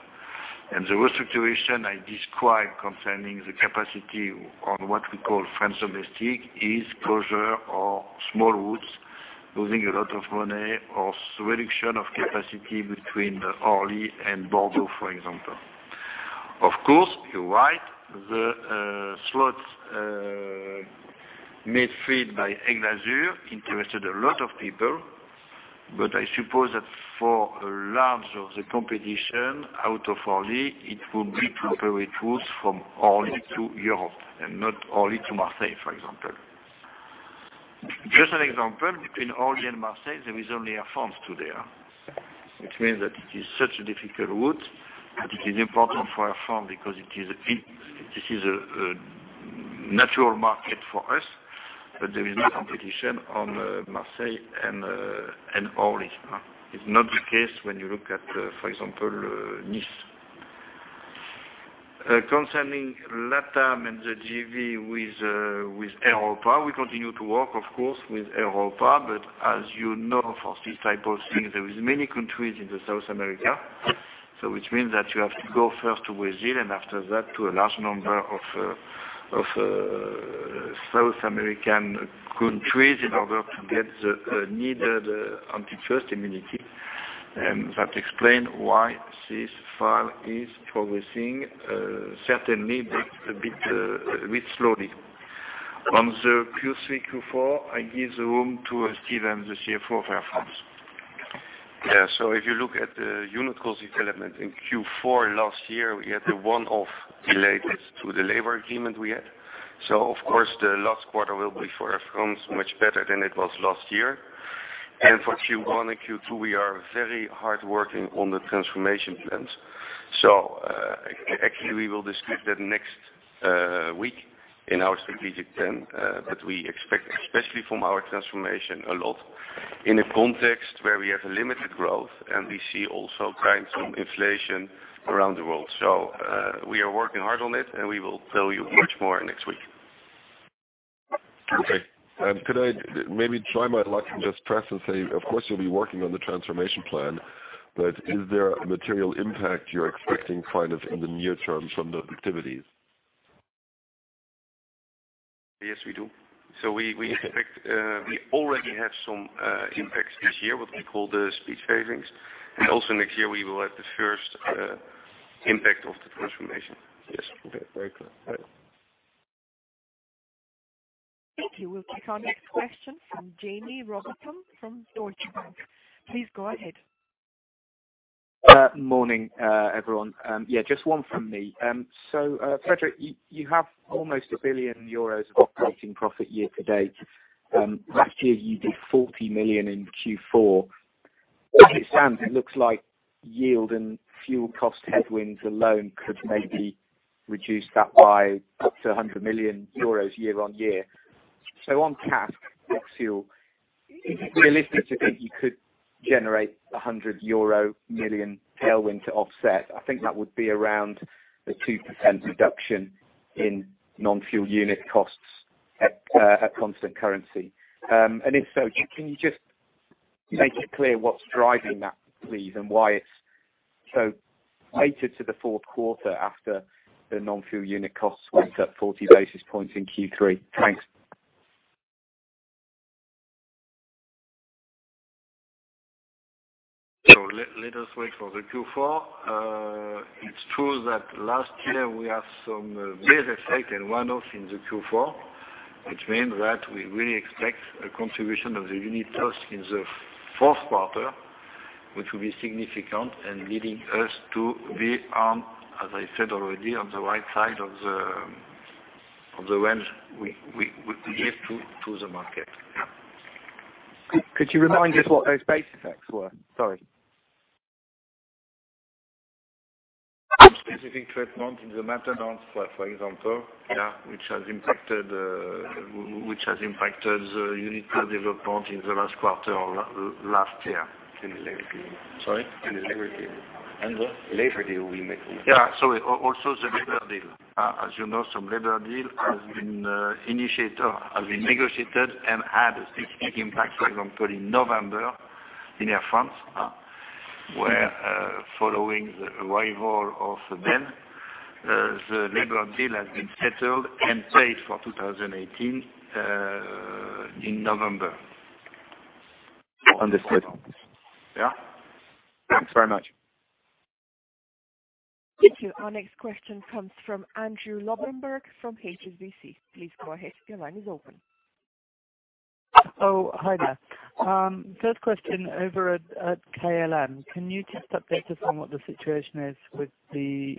The restructuration I described concerning the capacity on what we call France domestic is closure of small routes losing a lot of money or reduction of capacity between Orly and Bordeaux, for example. Of course, you're right, the slots made freed by Aigle Azur interested a lot of people, but I suppose that for a large of the competition out of Orly, it would be to operate routes from Orly to Europe and not Orly to Marseille, for example. Just an example, between Orly and Marseille, there is only Air France today, which means that it is such a difficult route that it is important for Air France because this is a natural market for us, but there is no competition on Marseille and Orly. It's not the case when you look at, for example, Nice. Concerning LATAM and the JV with Air Europa, we continue to work, of course, with Air Europa. As you know, for this type of thing, there is many countries in South America, which means that you have to go first to Brazil and after that to a large number of South American countries in order to get the needed antitrust immunity. That explain why this file is progressing, certainly, but a bit slowly. On the Q3, Q4, I give the room to Steven, the CFO of Air France. Yeah. If you look at the unit cost development in Q4 last year, we had the one-off related to the labor agreement we had. Of course, the last quarter will be for Air France much better than it was last year. For Q1 and Q2, we are very hard working on the transformation plans. Actually we will discuss that next week in our strategic plan, we expect, especially from our transformation a lot, in a context where we have a limited growth and we see also signs of inflation around the world. We are working hard on it and we will tell you much more next week. Okay. Could I maybe try my luck and just press and say, of course you'll be working on the transformation plan, but is there a material impact you're expecting kind of in the near term from the activities? Yes, we do. We already have some impacts this year, what we call the speech phasings. Also next year we will have the first impact of the transformation. Yes. Okay. Very clear. All right. Thank you. We'll take our next question from James Rowbotham from Deutsche Bank. Please go ahead. Morning, everyone. Yeah, just one from me. Frédéric, you have almost 1 billion euros of operating profit year to date. Last year you did 40 million in Q4. As it stands, it looks like yield and fuel cost headwinds alone could maybe reduce that by up to 100 million euros year-on-year. On CASK, ex-fuel, is it realistic to think you could generate a 100 million euro tailwind to offset? I think that would be around a 2% reduction in non-fuel unit costs at constant currency. If so, can you just make it clear what's driving that, please, and why it's so later to the Q4 after the non-fuel unit cost went up 40 basis points in Q3. Thanks. Let us wait for the Q4. It's true that last year we have some base effect and one-off in the Q4, which means that we really expect a contribution of the unit cost in the Q4, which will be significant and leading us to be on, as I said already, on the right side of the range we give to the market. Yeah. Could you remind us what those base effects were? Sorry. Some specific treatment in the maintenance, for example. Yeah. Which has impacted the unit cost development in the last quarter of last year. The labor deal. Sorry? -The labor deal. The? Labor deal we made. Yeah. Sorry. Also the labor deal. As you know, some labor deal has been negotiated and had a significant impact, for example, in November, in Air France, where following the arrival of Ben, the labor deal has been settled and paid for 2018 in November. Understood. Yeah. Thanks very much. Thank you. Our next question comes from Andrew Lobbenberg from HSBC. Please go ahead. Your line is open. Hi there. First question over at KLM. Can you just update us on what the situation is with the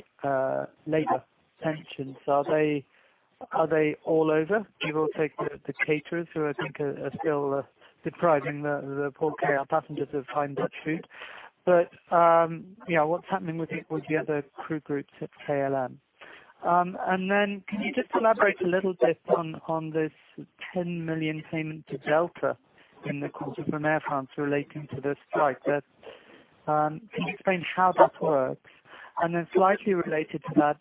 labor tensions? Are they all over? You will take the caterers who I think are still depriving the poor KLM passengers of fine Dutch food. What's happening with the other crew groups at KLM? Can you just elaborate a little bit on this 10 million payment to Delta Air Lines in the quarter from Air France relating to the strike. Can you explain how that works? Slightly related to that,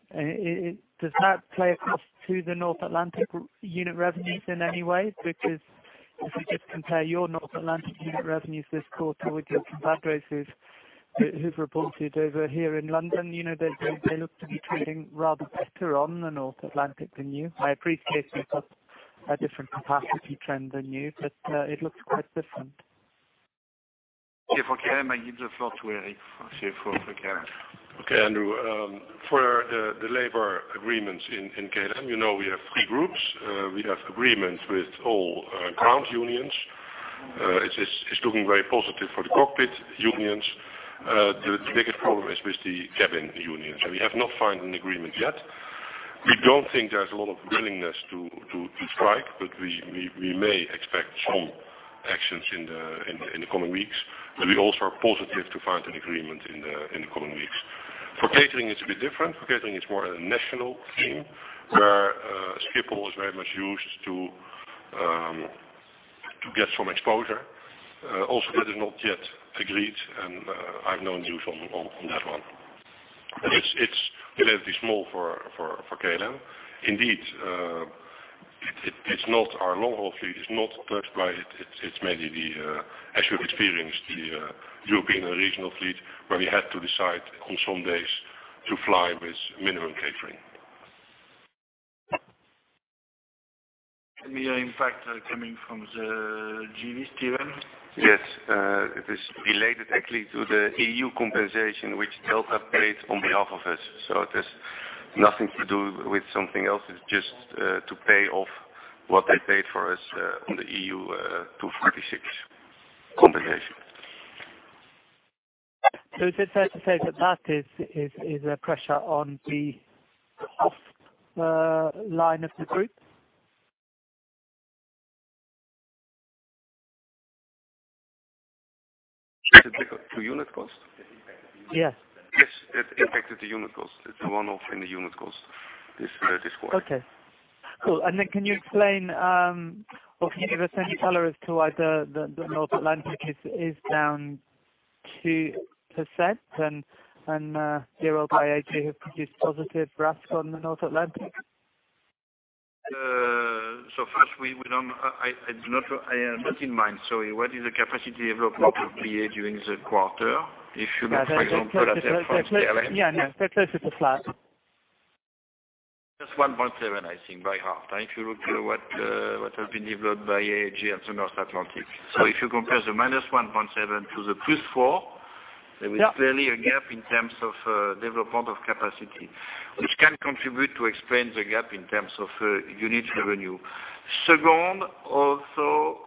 does that play across to the North Atlantic unit revenues in any way? If you just compare your North Atlantic unit revenues this quarter with your comrades who've reported over here in London, they look to be trading rather better on the North Atlantic than you. I appreciate they've got a different capacity trend than you, but it looks quite different. For KLM, I give the floor to Erik, CFO for KLM. Okay, Andrew. For the labor agreements in KLM, you know we have three groups. We have agreements with all ground unions. It's looking very positive for the cockpit unions. The biggest problem is with the cabin unions. We have not found an agreement yet. We don't think there's a lot of willingness to strike. We may expect some actions in the coming weeks. We also are positive to find an agreement in the coming weeks. For catering, it's a bit different. For catering, it's more a national theme, where Schiphol is very much used to get some exposure. That is not yet agreed, and I have no news on that one. It's relatively small for KLM. Indeed, our long-haul fleet is not touched by it. It's maybe the, as you've experienced, the European regional fleet, where we had to decide on some days to fly with minimum catering. The impact coming from the [genie], Steven? Yes. It is related actually to the EU compensation which Delta paid on behalf of us. Nothing to do with something else. It's just to pay off what they paid for us on the EU261 compensation. Is it fair to say that is a pressure on the bottom line of the group? To unit cost? Yes. Yes. It impacted the unit cost. It's a one-off in the unit cost, this quarter. Okay. Cool. Can you explain, or can you give us any color as to why the North Atlantic is down 2% and your IAG have produced positive RASK on the North Atlantic? First, I have not in mind. Sorry, what is the capacity development of BA during the quarter? If you look, for example, at Air France-KLM. Yeah, they're close to flat. +1.7, I think, by half. If you look at what has been developed by IAG at the North Atlantic. If you compare the -1.7 to the plus four, there is clearly a gap in terms of development of capacity, which can contribute to explain the gap in terms of unit revenue. Second, also,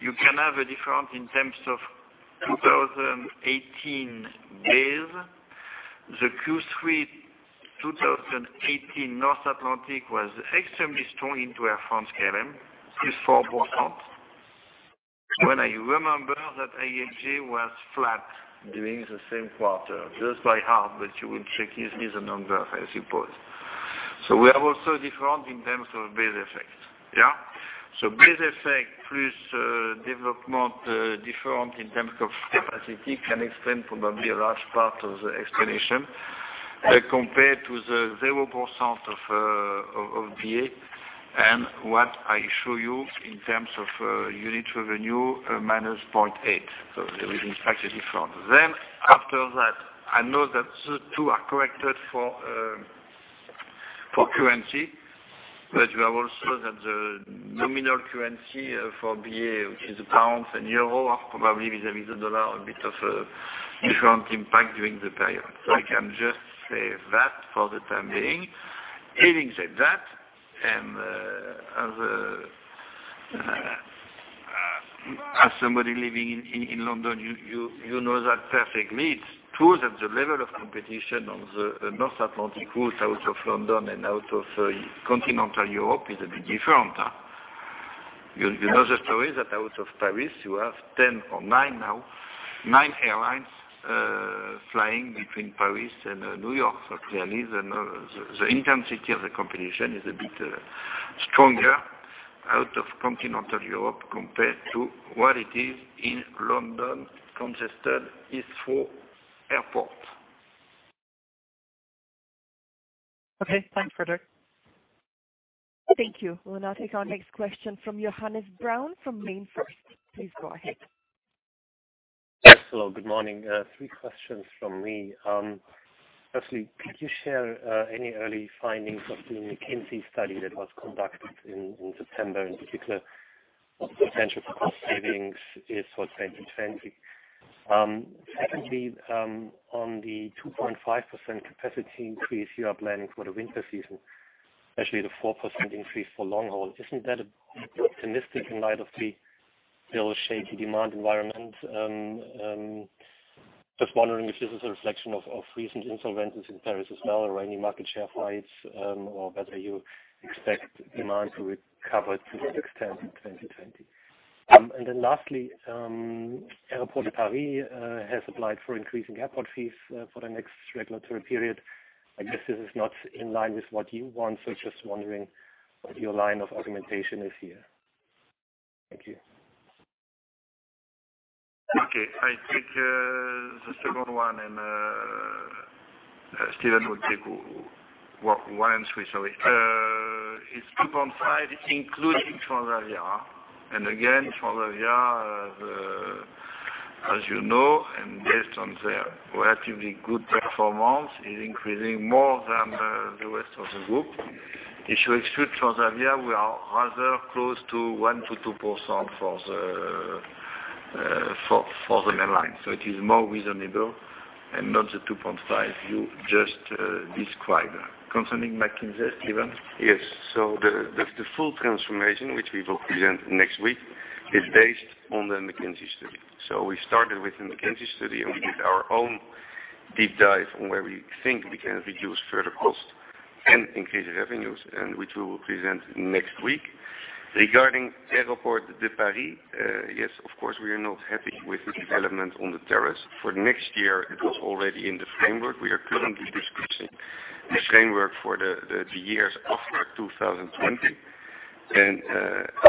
you can have a difference in terms of 2018 base. The Q3 2018 North Atlantic was extremely strong into Air France-KLM, +4%. When I remember that IAG was flat during the same quarter, just by half, you will check these numbers, I suppose. We are also different in terms of base effect. Yeah? Base effect plus development different in terms of capacity can explain probably a large part of the explanation compared to the 0% of BA and what I show you in terms of unit revenue, -0.8. There is in fact a difference. After that, I know that the two are corrected for currency, but you have also that the nominal currency for BA, which is pounds and euro, probably vis-à-vis the U.S. dollar, a bit of a different impact during the period. I can just say that for the time being. Having said that, and as somebody living in London, you know that perfectly. It is true that the level of competition on the North Atlantic route out of London and out of continental Europe is a bit different. You know the story that out of Paris, you have 10 or nine now, nine airlines flying between Paris and New York. Clearly, the intensity of the competition is a bit stronger out of continental Europe compared to what it is in London congested Heathrow Airport. Okay. Thanks, Frédéric. Thank you. We'll now take our next question from Johannes Braun from MainFirst. Please go ahead. Hello, good morning. Three questions from me. Firstly, could you share any early findings of the McKinsey study that was conducted in September, in particular, what potential cost savings is for 2020? Secondly, on the 2.5% capacity increase you are planning for the winter season, especially the 4% increase for long haul, isn't that optimistic in light of the still shaky demand environment? Just wondering if this is a reflection of recent insolvencies in Paris as well, or any market share fights, or whether you expect demand to recover to that extent in 2020. Lastly, Aéroports de Paris has applied for increasing airport fees for the next regulatory period. I guess this is not in line with what you want, so just wondering what your line of argumentation is here. Thank you. Okay, I take the second one and Steven will take one and three. Sorry. It's 2.5% including Transavia. Again, Transavia, as you know, and based on their relatively good performance, is increasing more than the rest of the group. If you exclude Transavia, we are rather close to 1%-2% for the main line. It is more reasonable, and not the 2.5% you just described. Concerning McKinsey, Steven? Yes. The full transformation, which we will present next week, is based on the McKinsey study. We started with the McKinsey study, and we did our own deep dive on where we think we can reduce further cost and increase revenues, and which we will present next week. Regarding Aéroports de Paris, yes, of course, we are not happy with the development on the tariffs. For next year, it was already in the framework. We are currently discussing the framework for the years after 2020.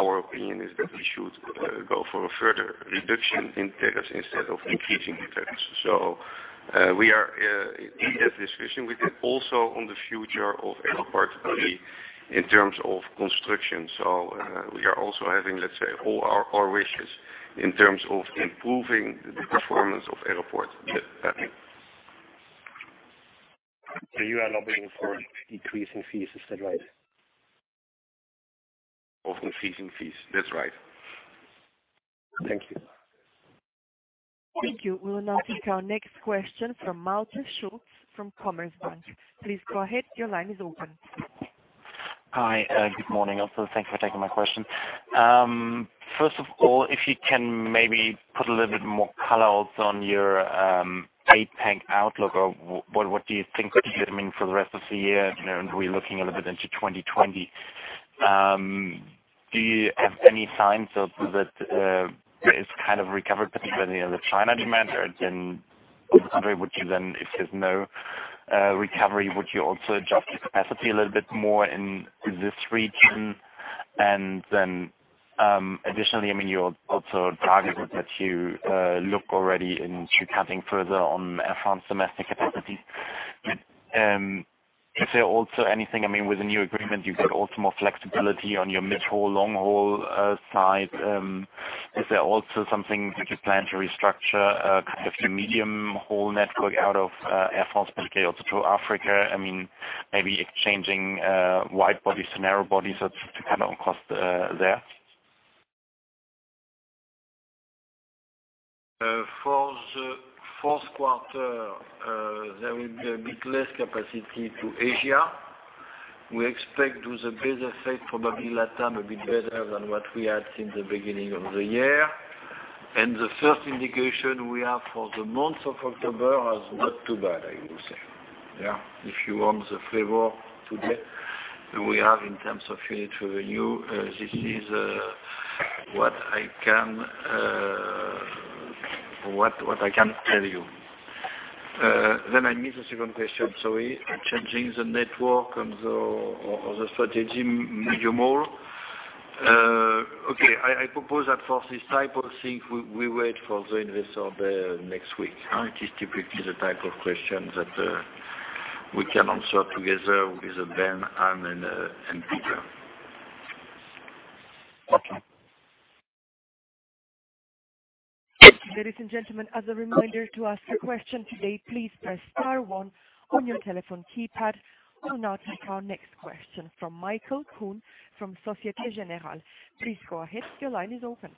Our opinion is that we should go for a further reduction in tariffs instead of increasing the tariffs. We are in that discussion with them also on the future of Aéroports de Paris in terms of construction. We are also having, let's say, all our wishes in terms of improving the performance of Aéroports de Paris. You are lobbying for decreasing fees instead, right? Fees and fees. That's right. Thank you. Thank you. We will now take our next question from Malte Schulz from Commerzbank. Please go ahead. Your line is open. Hi. Good morning. Thanks for taking my question. First of all, if you can maybe put a little bit more color also on your APAC outlook, or what do you think, for the rest of the year? We're looking a little bit into 2020. Do you have any signs of that it's kind of recovered, particularly in the China demand? If there's no recovery, would you also adjust the capacity a little bit more in this region? Additionally, you also targeted that you look already into cutting further on Air France domestic capacity. Is there also anything, with the new agreement, you get also more flexibility on your mid-haul, long-haul side? Is there also something that you plan to restructure, kind of your medium-haul network out of Air France-KLM, also to Africa? Maybe exchanging wide-body aircraft to narrow-body aircraft to cut on cost there? For the Q4, there will be a bit less capacity to Asia. We expect to see a better effect, probably LATAM, a bit better than what we had since the beginning of the year. The first indication we have for the month of October was not too bad, I would say. If you want the flavor today that we have in terms of unit revenue, this is what I can tell you. I miss the second question, sorry. Changing the network and the strategy medium-haul. Okay. I propose that for this type of thing, we wait for the Investor Day next week. It is typically the type of question that we can answer together with Ben and Pieter. Okay. Ladies and gentlemen, as a reminder, to ask a question today, please press star one on your telephone keypad. We will now take our next question from Michael Kuhn from Société Générale. Please go ahead. Your line is open.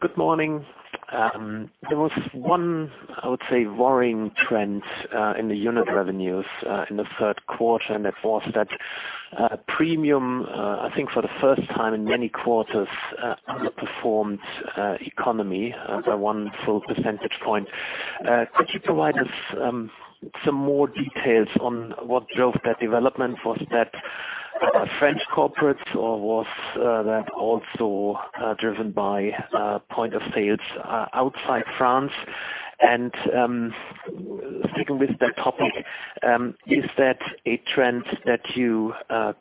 Good morning. There was one, I would say, worrying trend in the unit revenues in the Q3, and that was that premium, I think for the first time in many quarters, underperformed economy by 1 full percentage point. Could you provide us some more details on what drove that development? Was that French corporates, or was that also driven by point of sales outside France? Sticking with that topic, is that a trend that you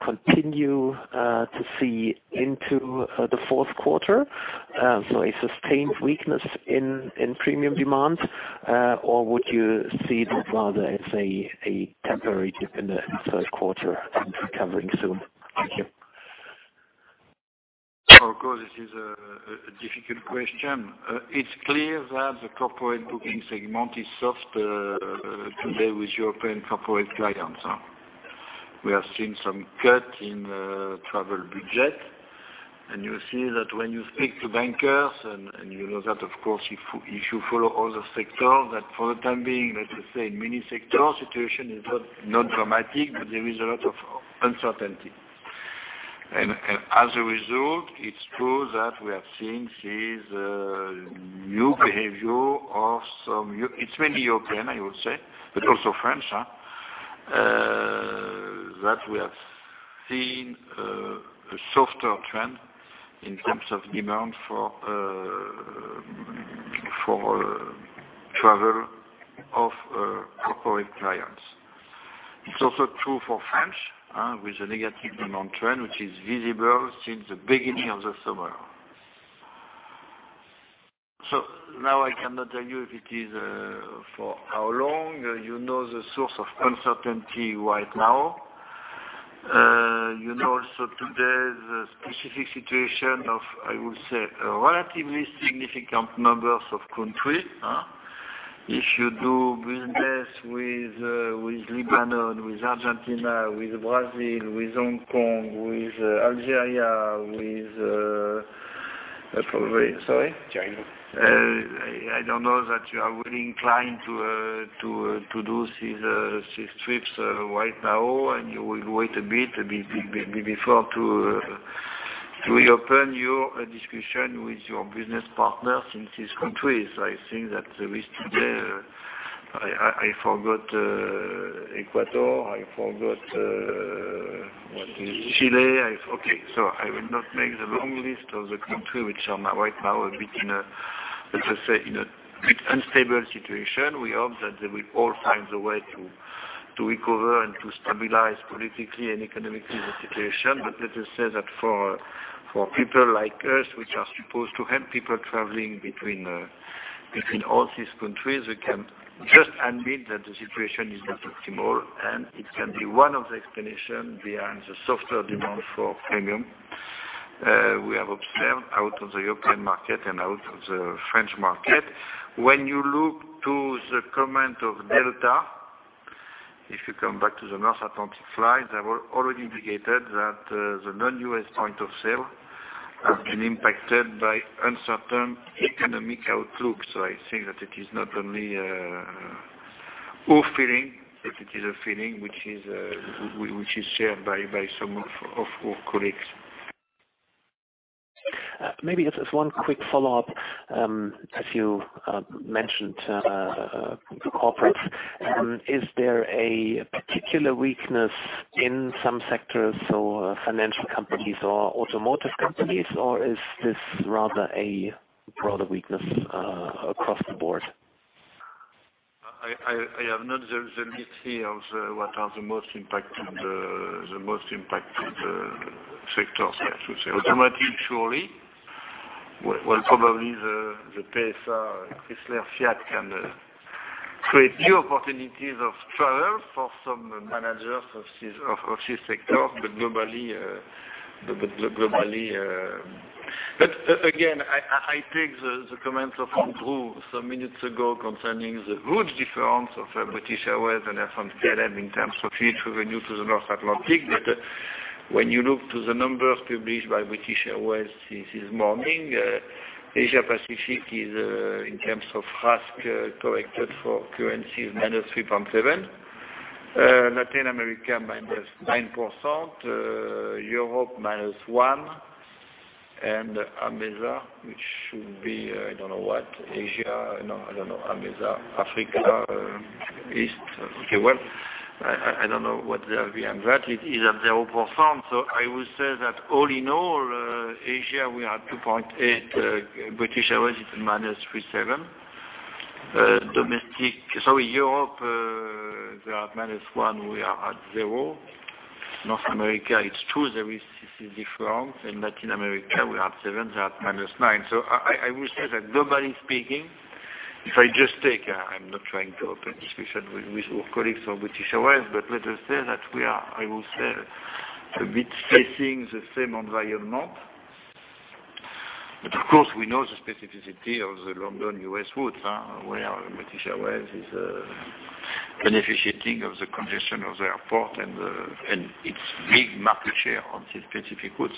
continue to see into the Q4? A sustained weakness in premium demand, or would you see that rather as a temporary dip in the Q3 and recovering soon? Thank you. Of course, this is a difficult question. It's clear that the corporate booking segment is soft today with European corporate guidance. We have seen some cut in travel budget. You see that when you speak to bankers. You know that, of course, if you follow other sectors, that for the time being, let us say, many sectors, situation is not dramatic, but there is a lot of uncertainty. As a result, it's true that we have seen this new behavior of some, it's mainly European, I would say, but also French. That we have seen a softer trend in terms of demand for travel of corporate clients. It's also true for French, with a negative demand trend, which is visible since the beginning of the summer. Now I cannot tell you if it is for how long. You know the source of uncertainty right now. You know also today the specific situation of, I would say, relatively significant numbers of country. If you do business with Lebanon, with Argentina, with Brazil, with Hong Kong, with Algeria, with Sorry? China. I don't know that you are really inclined to do these trips right now, and you will wait a bit before to reopen your discussion with your business partners in these countries. I think that the risk today, I forgot Ecuador. Chile. Chile. Okay. I will not make the long list of the country which are now right now a bit in a, let us say, in a bit unstable situation. We hope that they will all find the way to recover and to stabilize politically and economically the situation. Let us say that for people like us, which are supposed to help people traveling between all these countries, we can just admit that the situation is not optimal, and it can be one of the explanation behind the softer demand for premium. We have observed out of the European market and out of the French market. When you look to the comment of Delta, if you come back to the North Atlantic flights, they were already indicated that the non-U.S. point of sale has been impacted by uncertain economic outlook. I think that it is not only our feeling, but it is a feeling which is shared by some of our colleagues. Maybe just one quick follow-up. As you mentioned corporates, is there a particular weakness in some sectors, so financial companies or automotive companies, or is this rather a broader weakness across the board? I have not the detail of what are the most impacted sectors, I should say. Automotive, surely. Well, probably the PSA, Chrysler, Fiat can create new opportunities of travel for some managers of this sector. Again, I take the comments of Andrew some minutes ago concerning the route difference of British Airways and Air France-KLM in terms of each revenue to the North Atlantic. When you look to the numbers published by British Airways since this morning, APAC is, in terms of CASK, corrected for currency of -3.7%. Latin America, -9%. Europe, -1%. AMESA, which should be, I don't know what, Asia? No, I don't know. AMESA, Africa, East. Okay. Well, I don't know what they are behind that. It is at 0%. I would say that all in all, Asia, we are at 2.8%. British Airways is at -3.7%. Sorry, Europe, they are at -1%, we are at 0%. North America, it's true, this is different. In Latin America, we are at 7%, they are at -9%. I will say that globally speaking, if I just take, I am not trying to open discussion with our colleagues from British Airways, but let us say that we are, I will say, a bit facing the same environment. Of course, we know the specificity of the London-U.S. route, where British Airways is benefiting of the congestion of the airport and its big market share on these specific routes.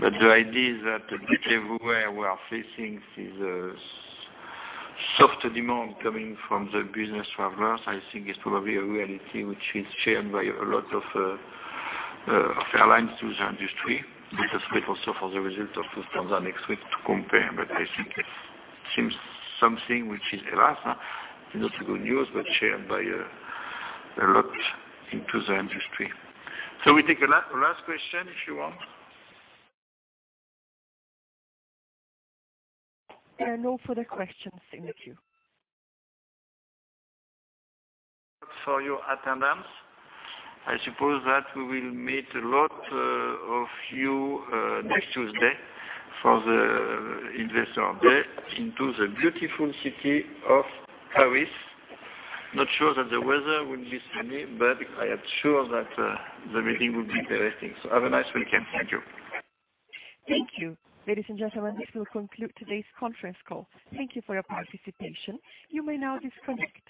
The idea is that a bit everywhere we are facing is a softer demand coming from the business travelers, I think is probably a reality which is shared by a lot of airlines through the industry. Let us wait also for the result of Lufthansa next week to compare, but I think it seems something which is, alas, it's not good news, but shared by a lot into the industry. We take a last question, if you want. There are no further questions, thank you. For your attendance. I suppose that we will meet a lot of you next Tuesday for the Investor Day into the beautiful city of Paris. Not sure that the weather will be sunny, but I am sure that the meeting will be interesting. Have a nice weekend. Thank you. Thank you. Ladies and gentlemen, this will conclude today's conference call. Thank you for your participation. You may now disconnect.